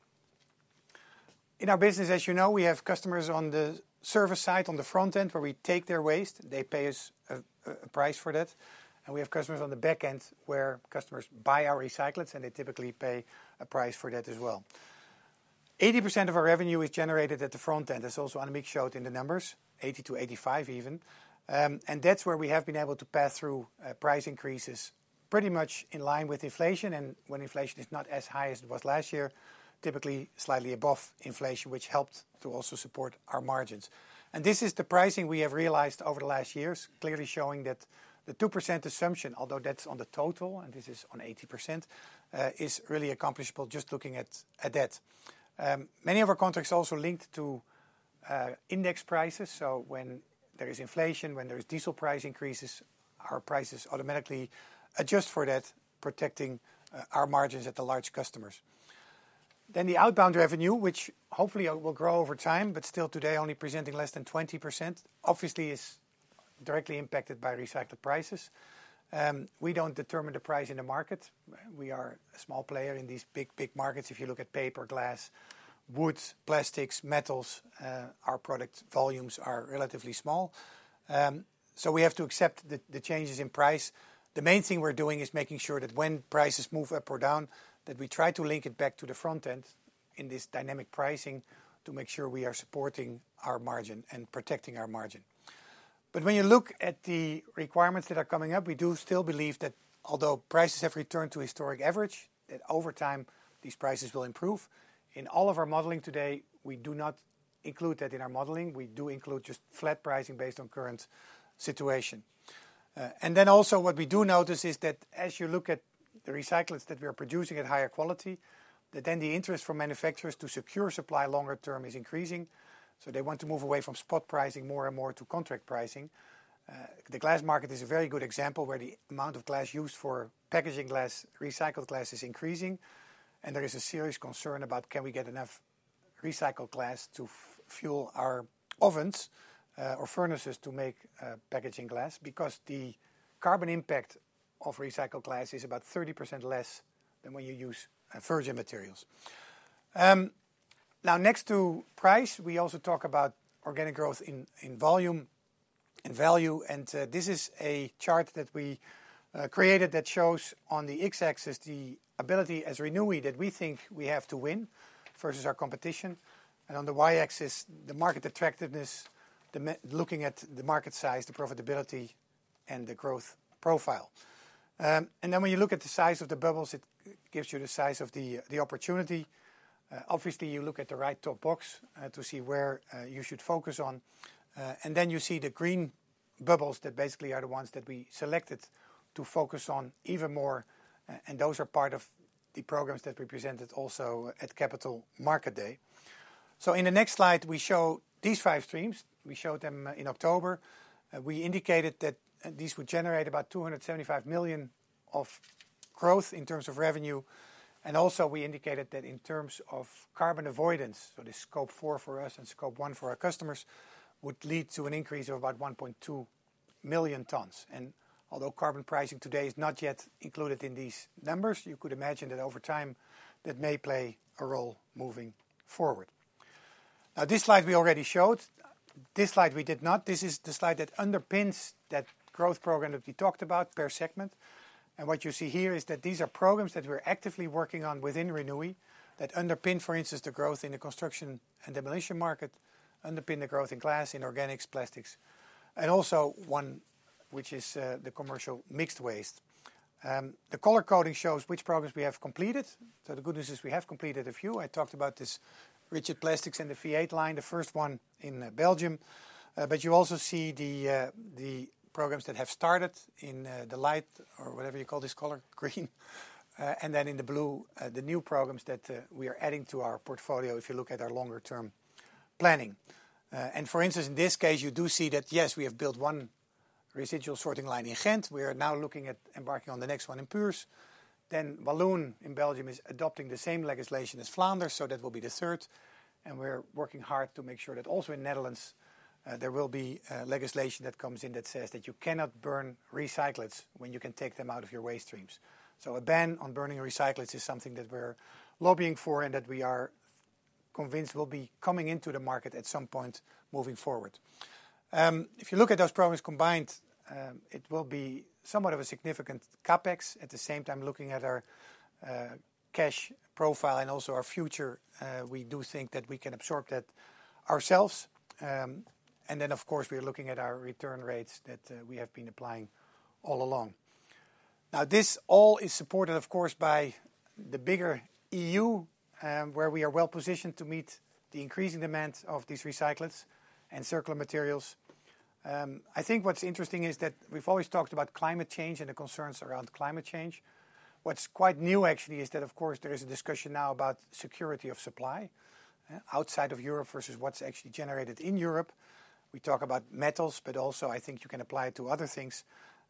In our business, as you know, we have customers on the service side, on the front end, where we take their waste. They pay us a price for that, and we have customers on the back end, where customers buy our recyclates, and they typically pay a price for that as well. 80% of our revenue is generated at the front end. That's also Annemieke showed in the numbers, 80%-85% even. And that's where we have been able to pass through price increases pretty much in line with inflation, and when inflation is not as high as it was last year, typically slightly above inflation, which helped to also support our margins. And this is the pricing we have realized over the last years, clearly showing that the 2% assumption, although that's on the total, and this is on 80%, is really accomplishable just looking at that. Many of our contracts are also linked to index prices, so when there is inflation, when there is diesel price increases, our prices automatically adjust for that, protecting our margins at the large customers. Then the outbound revenue, which hopefully will grow over time, but still today only presenting less than 20%, obviously is directly impacted by recycled prices. We don't determine the price in the market. We are a small player in these big, big markets. If you look at paper, glass, woods, plastics, metals, our product volumes are relatively small. So we have to accept the changes in price. The main thing we're doing is making sure that when prices move up or down, that we try to link it back to the front end in this dynamic pricing to make sure we are supporting our margin and protecting our margin. But when you look at the requirements that are coming up, we do still believe that although prices have returned to historic average, that over time these prices will improve. In all of our modeling today, we do not include that in our modeling. We do include just flat pricing based on current situation. And then also what we do notice is that as you look at the recyclates that we are producing at higher quality, that then the interest from manufacturers to secure supply longer term is increasing, so they want to move away from spot pricing more and more to contract pricing. The glass market is a very good example where the amount of glass used for packaging glass, recycled glass, is increasing, and there is a serious concern about can we get enough recycled glass to fuel our ovens, or furnaces to make, packaging glass? Because the carbon impact of recycled glass is about 30% less than when you use, virgin materials. Now, next to price, we also talk about organic growth in volume and value, and this is a chart that we created that shows on the x-axis the ability as Renewi that we think we have to win versus our competition, and on the y-axis, the market attractiveness, looking at the market size, the profitability, and the growth profile. And then when you look at the size of the bubbles, it gives you the size of the opportunity. Obviously, you look at the right top box to see where you should focus on, and then you see the green bubbles that basically are the ones that we selected to focus on even more, and those are part of the programs that we presented also at Capital Markets Day. In the next slide, we show these five streams. We showed them in October. We indicated that these would generate about 275 million of growth in terms of revenue, and also we indicated that in terms of carbon avoidance, so the Scope 4 for us and Scope 1 for our customers, would lead to an increase of about 1.2 million tons. And although carbon pricing today is not yet included in these numbers, you could imagine that over time, that may play a role moving forward. Now, this slide we already showed. This slide we did not. This is the slide that underpins that growth program that we talked about per segment. What you see here is that these are programs that we're actively working on within Renewi, that underpin, for instance, the growth in the construction and demolition market, underpin the growth in glass, in organics, plastics, and also one which is the commercial mixed waste. The color coding shows which programs we have completed, so the good news is we have completed a few. I talked about this rigid plastics in the V8 line, the first one in Belgium. But you also see the programs that have started in the light or whatever you call this color, green. And then in the blue, the new programs that we are adding to our portfolio if you look at our longer term planning. For instance, in this case, you do see that, yes, we have built one residual sorting line in Ghent. We are now looking at embarking on the next one in Puurs. Wallonia in Belgium is adopting the same legislation as Flanders, so that will be the third, and we're working hard to make sure that also in Netherlands, there will be legislation that comes in that says that you cannot burn recyclates when you can take them out of your waste streams. So a ban on burning recyclates is something that we're lobbying for, and that we are convinced will be coming into the market at some point moving forward. If you look at those programs combined, it will be somewhat of a significant CapEx. At the same time, looking at our cash profile and also our future, we do think that we can absorb that ourselves. And then, of course, we're looking at our return rates that we have been applying all along. Now, this all is supported, of course, by the bigger EU, where we are well positioned to meet the increasing demand of these recyclates and circular materials. I think what's interesting is that we've always talked about climate change and the concerns around climate change. What's quite new, actually, is that, of course, there is a discussion now about security of supply outside of Europe versus what's actually generated in Europe. We talk about metals, but also I think you can apply it to other things.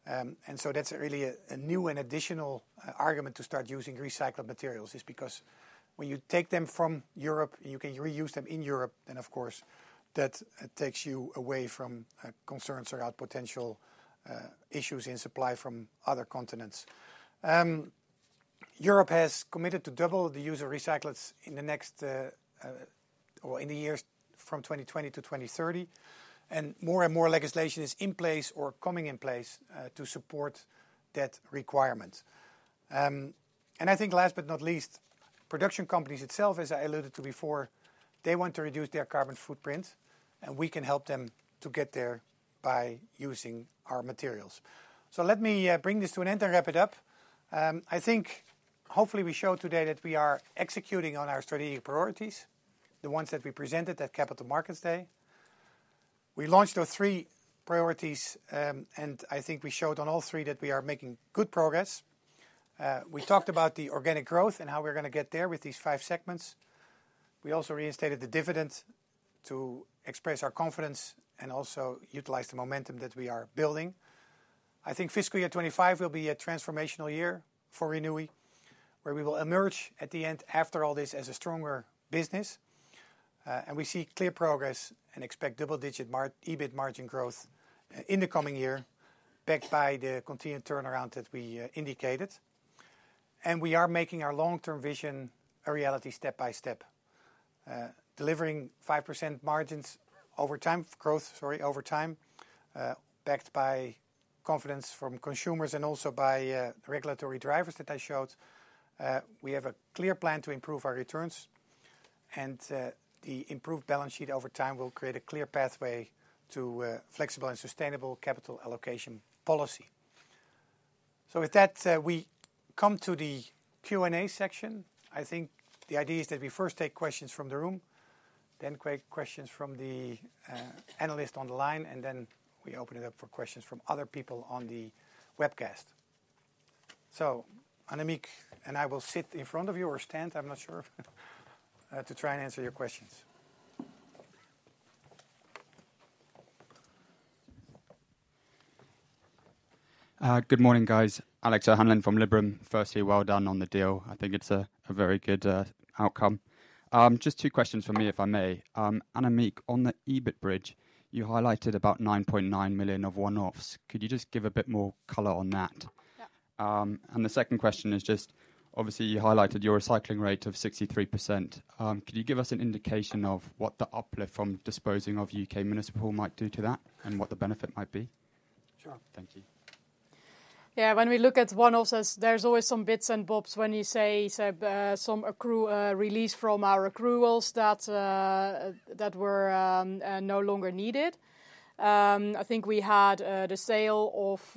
And so that's really a new and additional argument to start using recycled materials, is because when you take them from Europe, you can reuse them in Europe, and of course, that takes you away from concerns about potential issues in supply from other continents. Europe has committed to double the use of recyclates in the next, or in the years from 2020 to 2030, and more and more legislation is in place or coming in place to support that requirement. And I think last but not least, production companies itself, as I alluded to before, they want to reduce their carbon footprint, and we can help them to get there by using our materials. So let me bring this to an end and wrap it up. I think hopefully we showed today that we are executing on our strategic priorities, the ones that we presented at Capital Markets Day. We launched our three priorities, and I think we showed on all three that we are making good progress. We talked about the organic growth and how we're going to get there with these five segments. We also reinstated the dividend to express our confidence and also utilize the momentum that we are building. I think fiscal year 25 will be a transformational year for Renewi, where we will emerge at the end, after all this, as a stronger business. And we see clear progress and expect double-digit EBIT margin growth in the coming year, backed by the continued turnaround that we indicated. We are making our long-term vision a reality, step by step. Delivering 5% margins over time, growth, sorry, over time, backed by confidence from consumers and also by regulatory drivers that I showed. We have a clear plan to improve our returns, and the improved balance sheet over time will create a clear pathway to a flexible and sustainable capital allocation policy. So with that, we come to the Q&A section. I think the idea is that we first take questions from the room, then questions from the analysts on the line, and then we open it up for questions from other people on the webcast. So, Annemieke, and I will sit in front of you, or stand, I'm not sure, to try and answer your questions. Good morning, guys. Alex O'Hanlon from Liberum. Firstly, well done on the deal. I think it's a, a very good outcome. Just two questions from me, if I may. Annemieke, on the EBIT bridge, you highlighted about 9.9 million of one-offs. Could you just give a bit more color on that? Yeah. The second question is just, obviously, you highlighted your recycling rate of 63%. Could you give us an indication of what the uplift from disposing of UK Municipal might do to that, and what the benefit might be? Sure. Thank you. Yeah, when we look at one-offs, there's always some bits and bobs when you say some accrual release from our accruals that were no longer needed. I think we had the sale of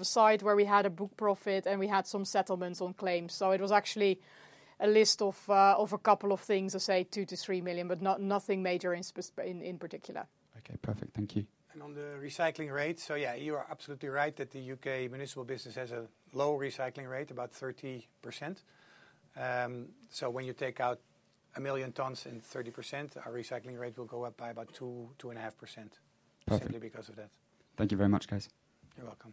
a site where we had a book profit, and we had some settlements on claims. So it was actually a list of a couple of things, let's say 2-3 million, but nothing major in particular. Okay, perfect. Thank you. On the recycling rate, yeah, you are absolutely right that the UK Municipal business has a low recycling rate, about 30%. So when you take out 1 million tons at 30%, our recycling rate will go up by about 2-2.5%- Perfect simply because of that. Thank you very much, guys. You're welcome.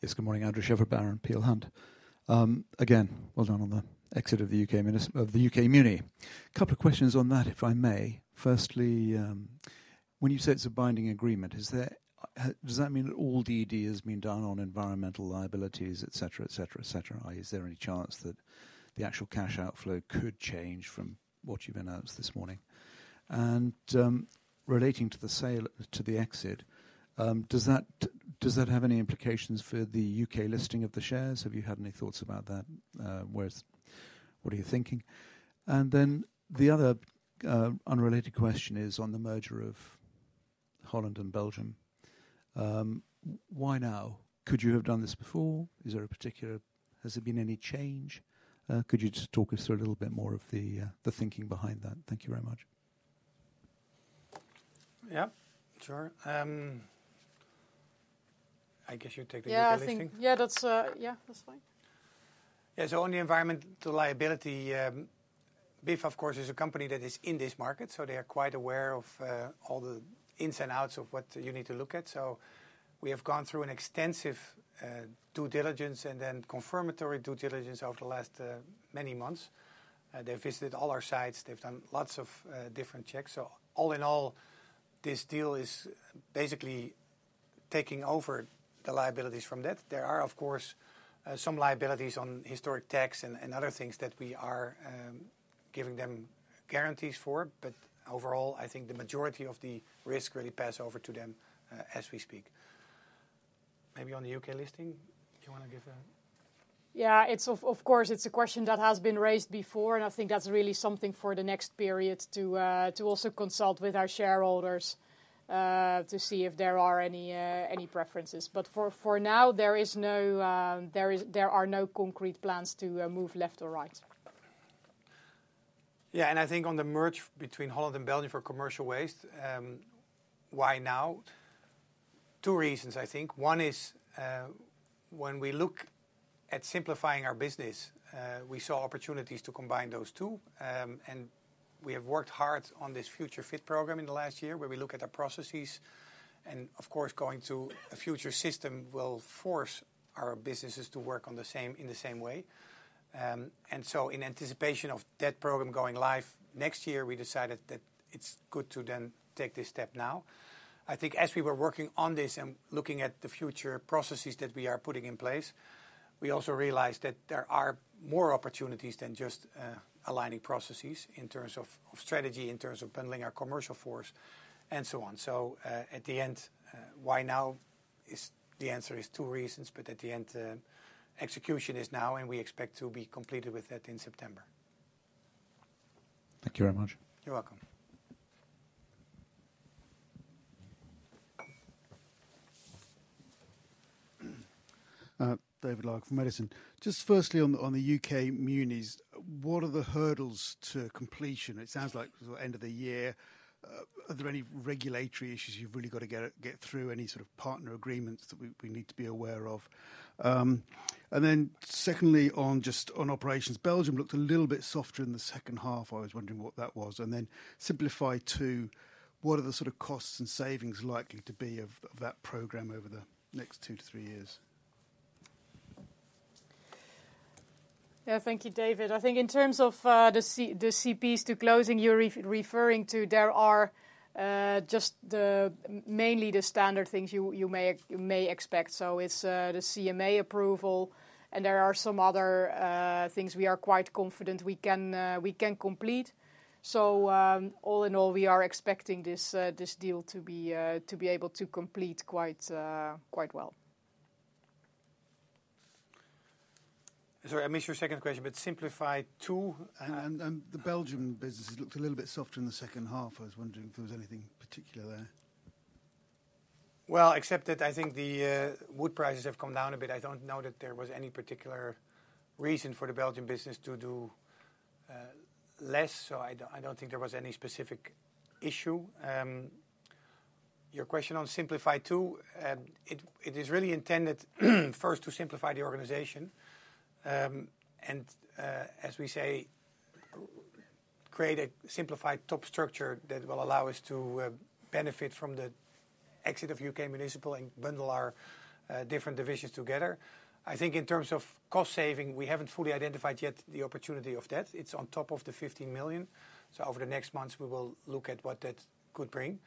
Yes, good morning. Andrew Shepherd-Barron, Peel Hunt. Again, well done on the exit of the UK Muni. Couple of questions on that, if I may. Firstly, when you say it's a binding agreement, is there, does that mean that all the deed has been done on environmental liabilities, et cetera, et cetera, et cetera? Is there any chance that the actual cash outflow could change from what you've announced this morning? And, relating to the sale, to the exit, does that have any implications for the UK listing of the shares? Have you had any thoughts about that? What are you thinking? And then the other unrelated question is on the merger of Holland and Belgium. Why now? Could you have done this before? Is there a particular. Has there been any change? Could you just talk us through a little bit more of the thinking behind that? Thank you very much. Yeah, sure. I guess you take the UK listing. Yeah, I think. Yeah, that's, yeah, that's fine. Yeah, so on the environmental liability, Biffa, of course, is a company that is in this market, so they are quite aware of all the ins and outs of what you need to look at. So we have gone through an extensive due diligence and then confirmatory due diligence over the last many months. They visited all our sites, they've done lots of different checks. So all in all, this deal is basically taking over the liabilities from that. There are, of course, some liabilities on historic tax and other things that we are giving them guarantees for, but overall, I think the majority of the risk really pass over to them as we speak. Maybe on the UK listing, do you want to give a- Yeah, of course, it's a question that has been raised before, and I think that's really something for the next period to also consult with our shareholders to see if there are any preferences. But for now, there are no concrete plans to move left or right. Yeah, and I think on the merge between Holland and Belgium for Commercial Waste, why now? Two reasons, I think. One is, when we look at simplifying our business, we saw opportunities to combine those two. And we have worked hard on this Future Fit program in the last year, where we look at our processes, and of course, going to a future system will force our businesses to work on the same way. And so in anticipation of that program going live next year, we decided that it's good to then take this step now. I think as we were working on this and looking at the future processes that we are putting in place, we also realized that there are more opportunities than just, aligning processes in terms of, of strategy, in terms of bundling our commercial force, and so on. So, at the end, why now is, the answer is two reasons, but at the end, execution is now, and we expect to be completed with that in September. Thank you very much. You're welcome. David Lark from Edison. Just firstly on the UK Munis, what are the hurdles to completion? It sounds like end of the year. Are there any regulatory issues you've really got to get through? Any sort of partner agreements that we need to be aware of? And then secondly, just on operations, Belgium looked a little bit softer in the second half. I was wondering what that was. And then Simplify 2, what are the sort of costs and savings likely to be of that program over the next two to three years? Yeah. Thank you, David. I think in terms of the CPs to closing you're referring to, there are just mainly the standard things you may expect. So it's the CMA approval, and there are some other things we are quite confident we can complete. So all in all, we are expecting this deal to be able to complete quite well. Sorry, I missed your second question, but Simplify 2. The Belgium business has looked a little bit softer in the second half. I was wondering if there was anything particular there. Well, except that I think the wood prices have come down a bit. I don't know that there was any particular reason for the Belgium business to do less, so I don't, I don't think there was any specific issue. Your question on Simplify 2, it is really intended, first to simplify the organization. And as we say, create a simplified top structure that will allow us to benefit from the exit of UK Municipal and bundle our different divisions together. I think in terms of cost saving, we haven't fully identified yet the opportunity of that. It's on top of the 15 million. So over the next months, we will look at what that could bring.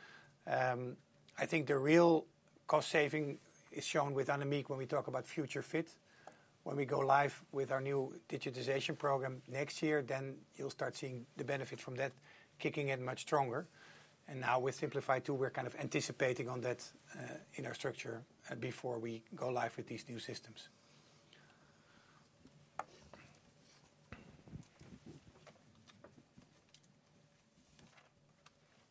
I think the real cost saving is shown with Annemieke when we talk about Future Fit. When we go live with our new digitization program next year, then you'll start seeing the benefit from that kicking in much stronger. And now with Simplify 2, we're kind of anticipating on that, in our structure before we go live with these new systems.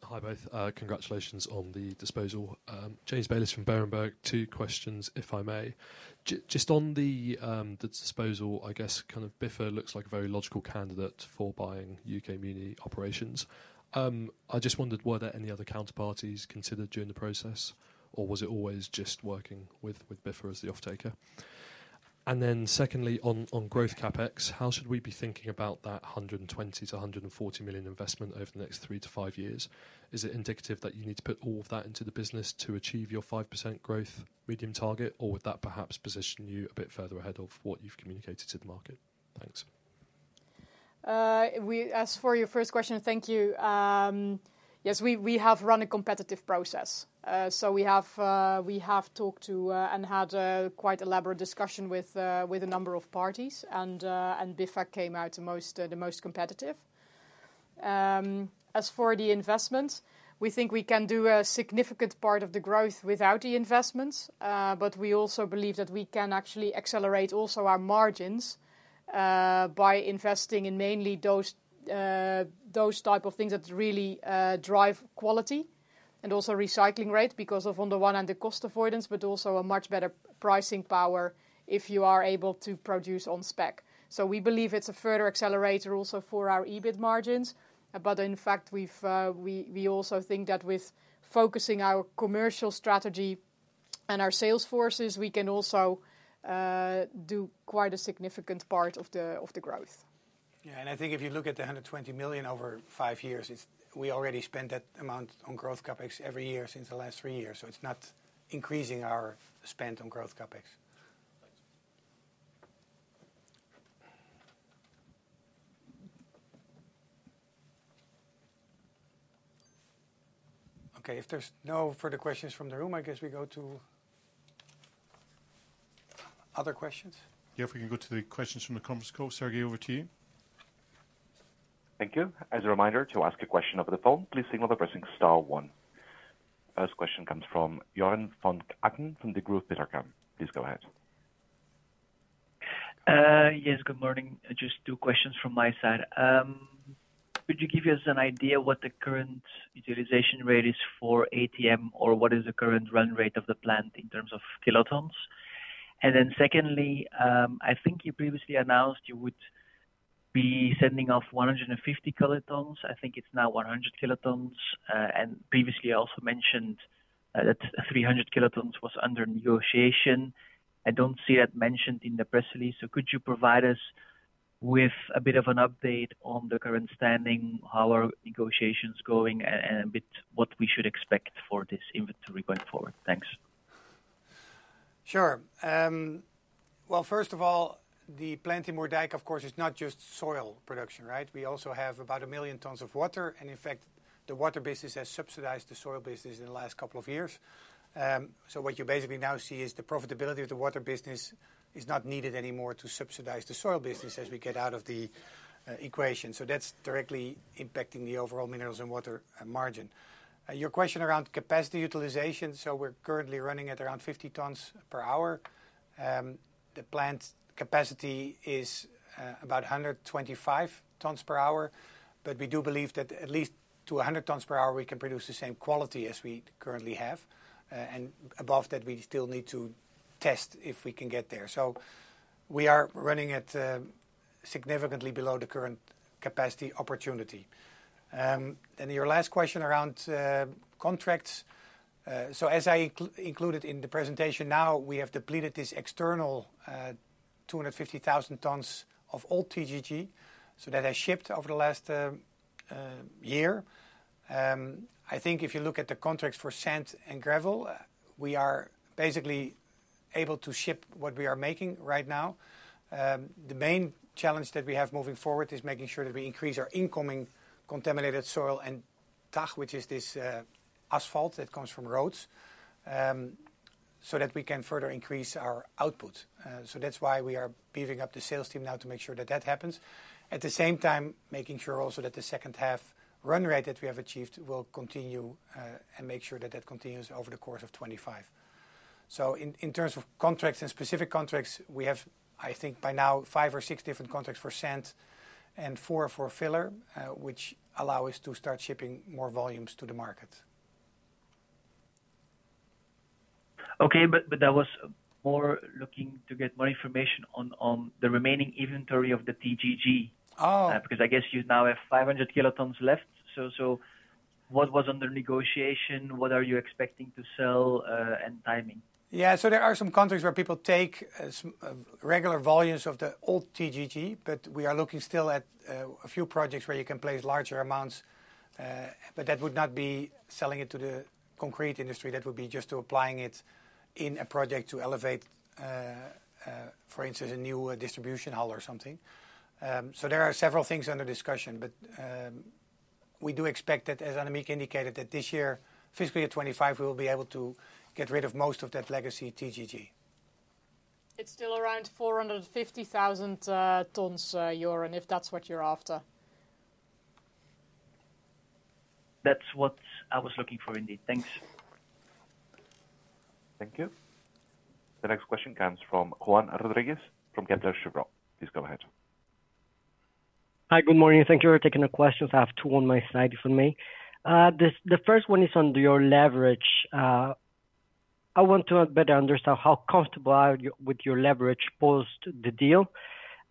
Hi, both. Congratulations on the disposal. James Bayliss from Berenberg. Two questions, if I may. Just on the disposal, I guess, kind of, Biffa looks like a very logical candidate for buying UK Muni operations. I just wondered, were there any other counterparties considered during the process, or was it always just working with, with Biffa as the offtaker? And then secondly, on growth CapEx, how should we be thinking about that 120-140 million investment over the next 3-5 years? Is it indicative that you need to put all of that into the business to achieve your 5% growth medium target, or would that perhaps position you a bit further ahead of what you've communicated to the market? Thanks. As for your first question, thank you. Yes, we have run a competitive process. So we have talked to and had quite elaborate discussion with a number of parties, and Biffa came out the most competitive. As for the investment, we think we can do a significant part of the growth without the investments, but we also believe that we can actually accelerate also our margins by investing in mainly those type of things that really drive quality and also recycling rate, because on the one hand, the cost avoidance, but also a much better pricing power if you are able to produce on spec. So we believe it's a further accelerator also for our EBIT margins. But in fact, we also think that with focusing our commercial strategy and our sales forces, we can also do quite a significant part of the growth. Yeah, and I think if you look at the 120 million over 5 years, it's, we already spent that amount on growth CapEx every year since the last 3 years, so it's not increasing our spend on growth CapEx. Thanks. Okay, if there's no further questions from the room, I guess we go to other questions. Yeah, if we can go to the questions from the conference call. Sergey, over to you. Thank you. As a reminder, to ask a question over the phone, please signal by pressing star one. First question comes from Joren Van Aken from Degroof Petercam. Please go ahead. Yes, good morning. Just two questions from my side. Could you give us an idea what the current utilization rate is for ATM, or what is the current run rate of the plant in terms of kilotons? And then secondly, I think you previously announced you would be sending off 150 kilotons. I think it's now 100 kilotons. And previously, you also mentioned that 300 kilotons was under negotiation. I don't see that mentioned in the press release. So could you provide us with a bit of an update on the current standing, how are negotiations going, and a bit what we should expect for this inventory going forward? Thanks. Sure. Well, first of all, the plant in Moerdijk, of course, is not just soil production, right? We also have about 1 million tons of water, and in fact, the water business has subsidized the soil business in the last couple of years. So what you basically now see is the profitability of the water business is not needed anymore to subsidize the soil business as we get out of the, equation. So that's directly impacting the overall Mineralz & Water, margin. Your question around capacity utilization, so we're currently running at around 50 tons per hour. The plant capacity is, about 125 tons per hour, but we do believe that at least to 100 tons per hour, we can produce the same quality as we currently have. And above that, we still need to test if we can get there. So we are running at, significantly below the current capacity opportunity. And your last question around, contracts. So as I included in the presentation, now, we have depleted this external, 250,000 tons of old TGG, so that I shipped over the last, year. I think if you look at the contracts for sand and gravel, we are basically able to ship what we are making right now. The main challenge that we have moving forward is making sure that we increase our incoming contaminated soil and TAG, which is this, asphalt that comes from roads, so that we can further increase our output. So that's why we are beefing up the sales team now to make sure that that happens. At the same time, making sure also that the second half run rate that we have achieved will continue, and make sure that that continues over the course of 25. So in terms of contracts and specific contracts, we have, I think by now, five or six different contracts for sand and four for filler, which allow us to start shipping more volumes to the market. Okay, but, but I was more looking to get more information on, on the remaining inventory of the TGG. Oh! Because I guess you now have 500 kilotons left. So what was under negotiation? What are you expecting to sell, and timing? Yeah, so there are some contracts where people take, some, regular volumes of the old TGG, but we are looking still at, a few projects where you can place larger amounts, but that would not be selling it to the concrete industry. That would be just to applying it in a project to elevate, for instance, a new distribution hall or something. So there are several things under discussion, but, we do expect that, as Annemieke indicated, that this year, fiscal year 2025, we will be able to get rid of most of that legacy TGG. It's still around 450,000 tons, Joren, if that's what you're after. That's what I was looking for, indeed. Thanks. Thank you. The next question comes from Juan Rodriguez from Credit Suisse. Please go ahead. Hi, good morning. Thank you for taking the questions. I have two on my side, if you may. The first one is on your leverage. I want to better understand how comfortable are you with your leverage post the deal.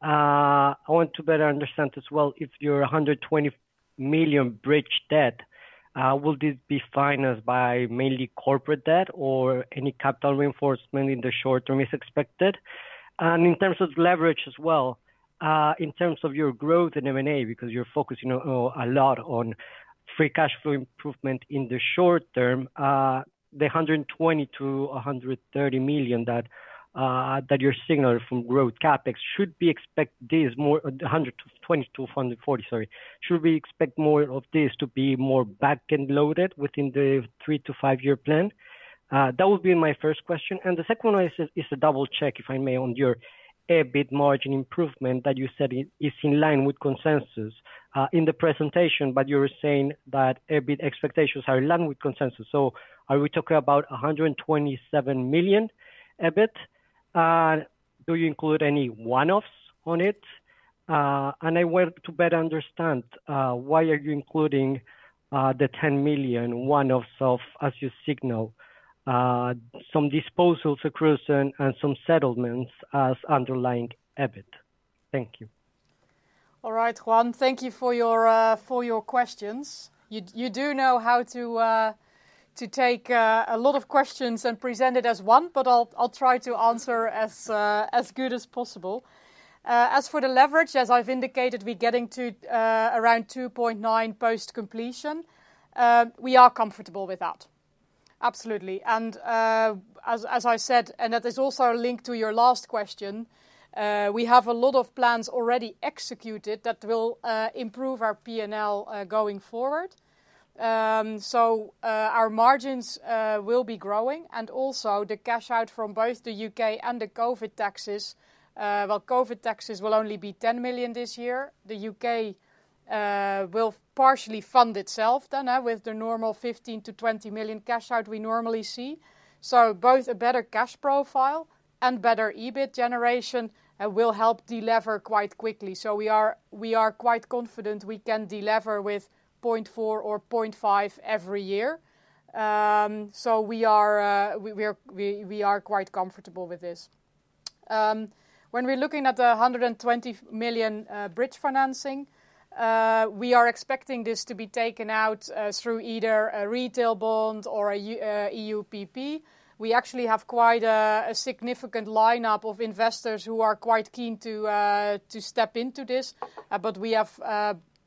I want to better understand as well, if your 120 million bridge debt will this be financed by mainly corporate debt, or any capital reinforcement in the short term is expected? And in terms of leverage as well, in terms of your growth in M&A, because you're focusing a lot on free cash flow improvement in the short term, the 120 million-130 million that you're signaling from growth CapEx, should we expect this more-120 to 140, sorry. Should we expect more of this to be more back-end loaded within the 3-5-year plan? That would be my first question. And the second one is, is a double check, if I may, on your EBIT margin improvement that you said is, is in line with consensus, in the presentation, but you were saying that EBIT expectations are in line with consensus. So are we talking about 127 million EBIT? Do you include any one-offs on it? And I want to better understand, why are you including, the 10 million one-offs of as you signal, some disposals accruals and, and some settlements as underlying EBIT? Thank you. All right, Juan, thank you for your, for your questions. You, you do know how to, to take, a lot of questions and present it as one, but I'll, I'll try to answer as, as good as possible. As for the leverage, as I've indicated, we're getting to, around 2.9 post-completion. We are comfortable with that. Absolutely. And, as, as I said, and that is also a link to your last question, we have a lot of plans already executed that will, improve our P&L, going forward. So, our margins, will be growing, and also the cash out from both the UK and the COVID taxes. Well, COVID taxes will only be 10 million this year. The UK will partially fund itself then with the normal 15-20 million cash out we normally see. So both a better cash profile and better EBIT generation will help delever quite quickly. So we are quite confident we can delever with 0.4 or 0.5 every year. So we are quite comfortable with this. When we're looking at the 120 million bridge financing we are expecting this to be taken out through either a retail bond or a EU PP. We actually have quite a significant lineup of investors who are quite keen to step into this. But we have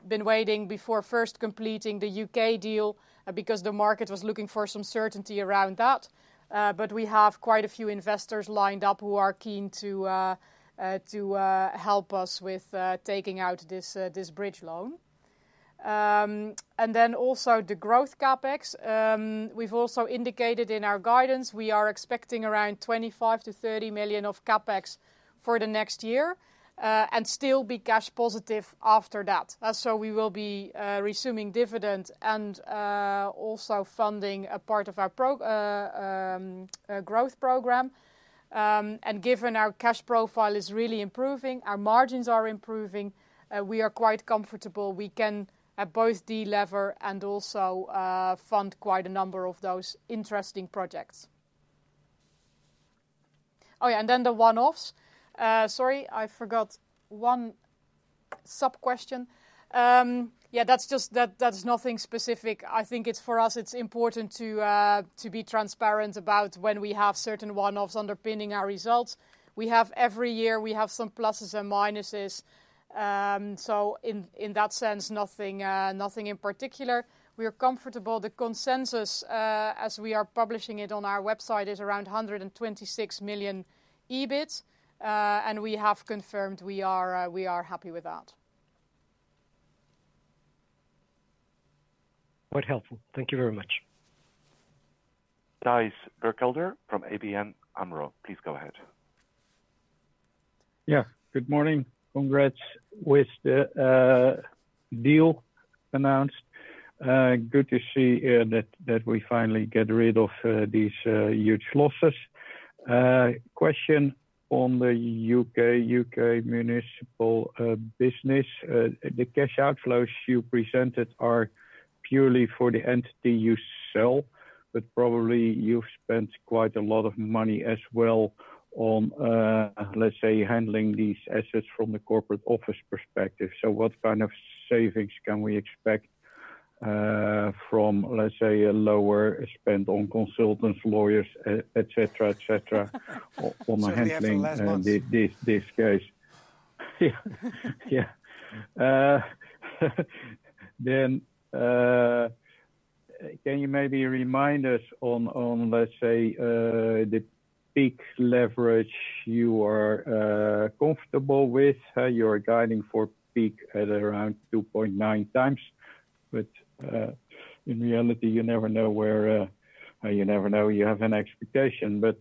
been waiting before first completing the UK deal, because the market was looking for some certainty around that. But we have quite a few investors lined up who are keen to help us with taking out this bridge loan. And then also the growth CapEx. We've also indicated in our guidance, we are expecting around 25 million-30 million of CapEx for the next year, and still be cash positive after that. So we will be resuming dividend and also funding a part of our growth program. And given our cash profile is really improving, our margins are improving, we are quite comfortable we can both delever and also fund quite a number of those interesting projects. Oh, yeah, and then the one-offs. Sorry, I forgot one sub-question. Yeah, that's just, that, that's nothing specific. I think it's, for us, it's important to, to be transparent about when we have certain one-offs underpinning our results. We have every year, we have some pluses and minuses. So in, in that sense, nothing, nothing in particular. We are comfortable. The consensus, as we are publishing it on our website, is around 126 million EBIT, and we have confirmed we are, we are happy with that. Quite helpful. Thank you very much. Thijs Berkelder from ABN AMRO, please go ahead. Yeah. Good morning. Congrats with the deal announced. Good to see that we finally get rid of these huge losses. Question on the UK Municipal business. The cash outflows you presented are purely for the entity you sell, but probably you've spent quite a lot of money as well on, let's say, handling these assets from the corporate office perspective. So what kind of savings can we expect from, let's say, a lower spend on consultants, lawyers, et cetera, et cetera, on the handling- After the last months. -on this, this case? Yeah. Then, can you maybe remind us on, let's say, the peak leverage you are comfortable with? You're guiding for peak at around 2.9 times, but in reality, you never know where, you never know you have an expectation. But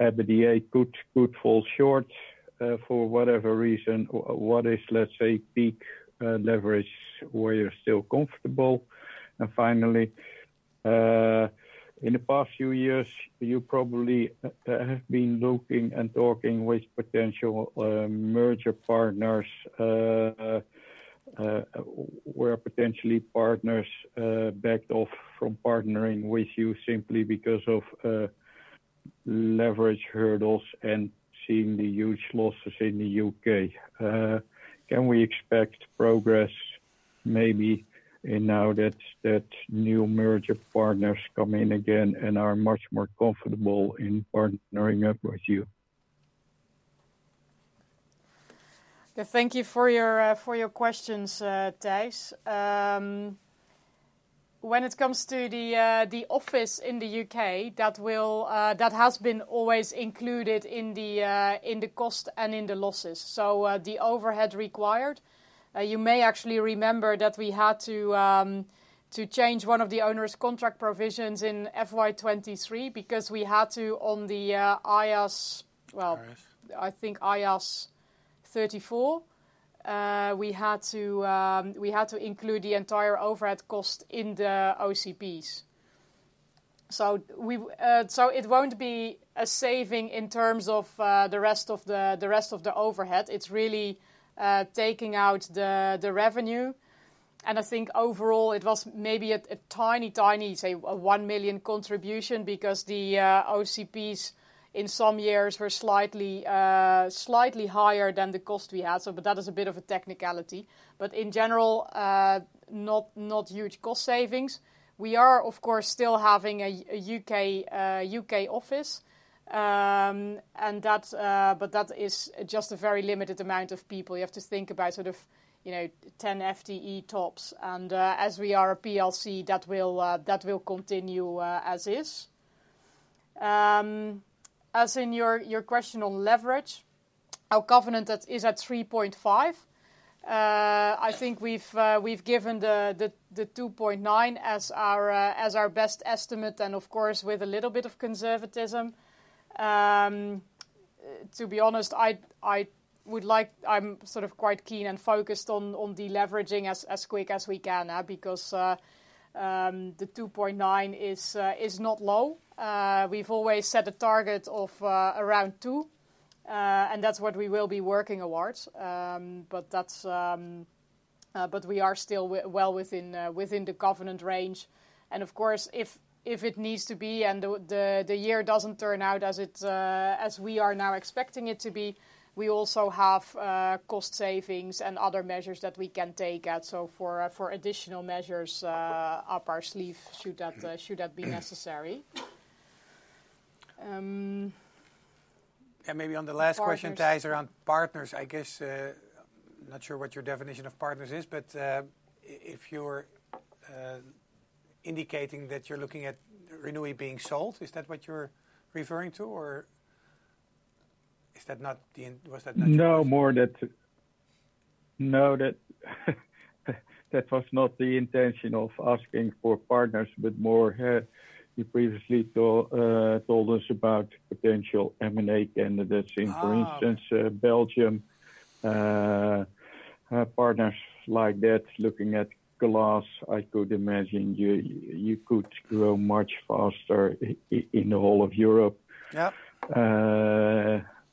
EBITDA could fall short for whatever reason. What is, let's say, peak leverage, where you're still comfortable? And finally, in the past few years, you probably have been looking and talking with potential merger partners. Where potentially partners backed off from partnering with you simply because of leverage hurdles and seeing the huge losses in the U.K. Can we expect progress maybe, and now that new merger partners come in again and are much more comfortable in partnering up with you? Thank you for your questions, Thijs. When it comes to the office in the UK, that has been always included in the cost and in the losses. So, the overhead required, you may actually remember that we had to change one of the onerous contract provisions in FY 2023 because we had to, on the IAS. Well- IFRS I think IAS 34, we had to include the entire overhead cost in the OCPs. So, so it won't be a saving in terms of, the rest of the, the rest of the overhead. It's really, taking out the, the revenue, and I think overall it was maybe a, a tiny, tiny, say, a 1 million contribution, because the, OCPs in some years were slightly, slightly higher than the cost we had. So, but that is a bit of a technicality, but in general, not, not huge cost savings. We are, of course, still having a, a UK office. And that's, but that is just a very limited amount of people. You have to think about sort of, you know, 10 FTE tops, and, as we are a PLC, that will continue as is. As in your question on leverage, our covenant that is at 3.5. I think we've given the 2.9 as our best estimate and of course, with a little bit of conservatism. To be honest, I would like, I'm sort of quite keen and focused on deleveraging as quick as we can, because the 2.9 is not low. We've always set a target of around 2, and that's what we will be working towards. But that's, but we are still well within the covenant range. And of course, if it needs to be, and the year doesn't turn out as it as we are now expecting it to be, we also have cost savings and other measures that we can take out. So for additional measures up our sleeve, should that be necessary. And maybe on the last question- Partners Thijs, around partners, I guess, not sure what your definition of partners is, but, if you're indicating that you're looking at Renewi being sold, is that what you're referring to, or is that not the intention—was that not— No, that was not the intention of asking for partners, but more, you previously told us about potential M&A candidates- Ah! -in, for instance, Belgium. Partners like that, looking at glass, I could imagine you, you could grow much faster in the whole of Europe- Yeah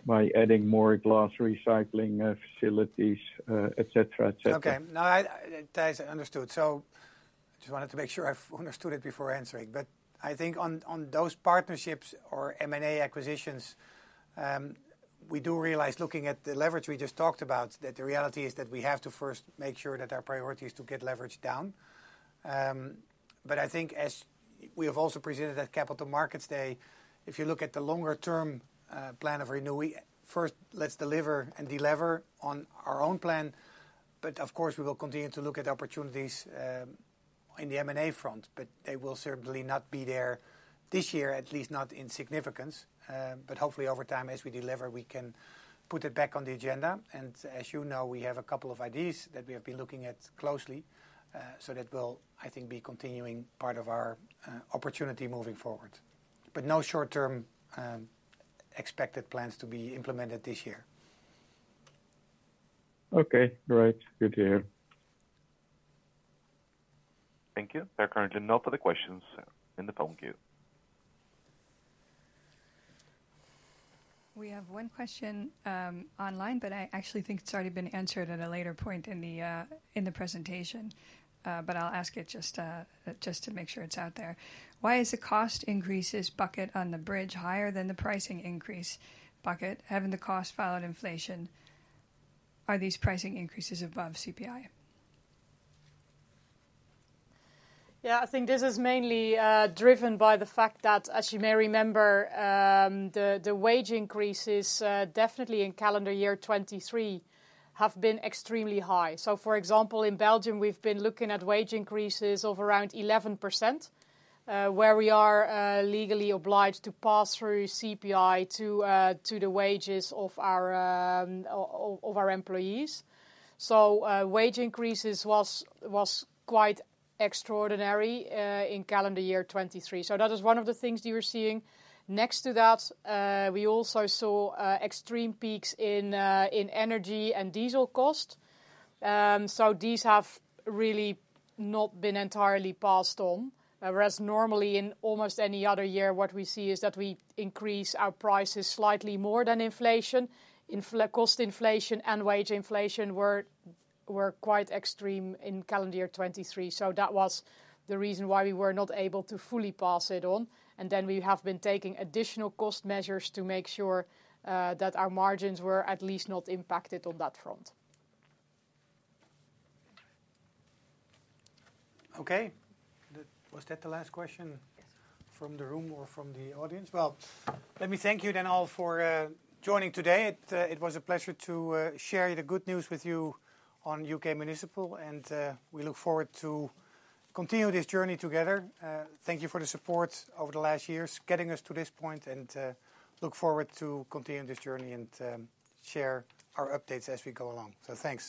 -by adding more glass recycling facilities, et cetera, et cetera. Okay. No, I, Thijs, understood. So just wanted to make sure I've understood it before answering. But I think on, on those partnerships or M&A acquisitions, we do realize, looking at the leverage we just talked about, that the reality is that we have to first make sure that our priority is to get leverage down. But I think as we have also presented at Capital Markets Day, if you look at the longer-term, plan of Renewi, first, let's deliver and delever on our own plan. But of course, we will continue to look at opportunities, in the M&A front, but they will certainly not be there this year, at least not in significance. But hopefully, over time, as we deliver, we can put it back on the agenda. As you know, we have a couple of ideas that we have been looking at closely, so that will, I think, be continuing part of our opportunity moving forward. But no short-term expected plans to be implemented this year. Okay. Great. Good to hear. Thank you. There are currently no further questions in the phone queue. We have one question online, but I actually think it's already been answered at a later point in the presentation. But I'll ask it just to make sure it's out there. Why is the cost increases bucket on the bridge higher than the pricing increase bucket? Haven't the costs followed inflation? Are these pricing increases above CPI? Yeah, I think this is mainly driven by the fact that, as you may remember, the wage increases definitely in calendar year 2023, have been extremely high. So for example, in Belgium, we've been looking at wage increases of around 11%, where we are legally obliged to pass through CPI to the wages of our employees. So wage increases was quite extraordinary in calendar year 2023. So that is one of the things you are seeing. Next to that, we also saw extreme peaks in energy and diesel cost. So these have really not been entirely passed on, whereas normally in almost any other year, what we see is that we increase our prices slightly more than inflation. Cost inflation and wage inflation were quite extreme in calendar year 2023, so that was the reason why we were not able to fully pass it on. And then we have been taking additional cost measures to make sure that our margins were at least not impacted on that front. Okay. Was that the last question? Yes From the room or from the audience? Well, let me thank you then all for joining today. It was a pleasure to share the good news with you on UK Municipal, and we look forward to continue this journey together. Thank you for the support over the last years, getting us to this point, and look forward to continuing this journey and share our updates as we go along. So thanks.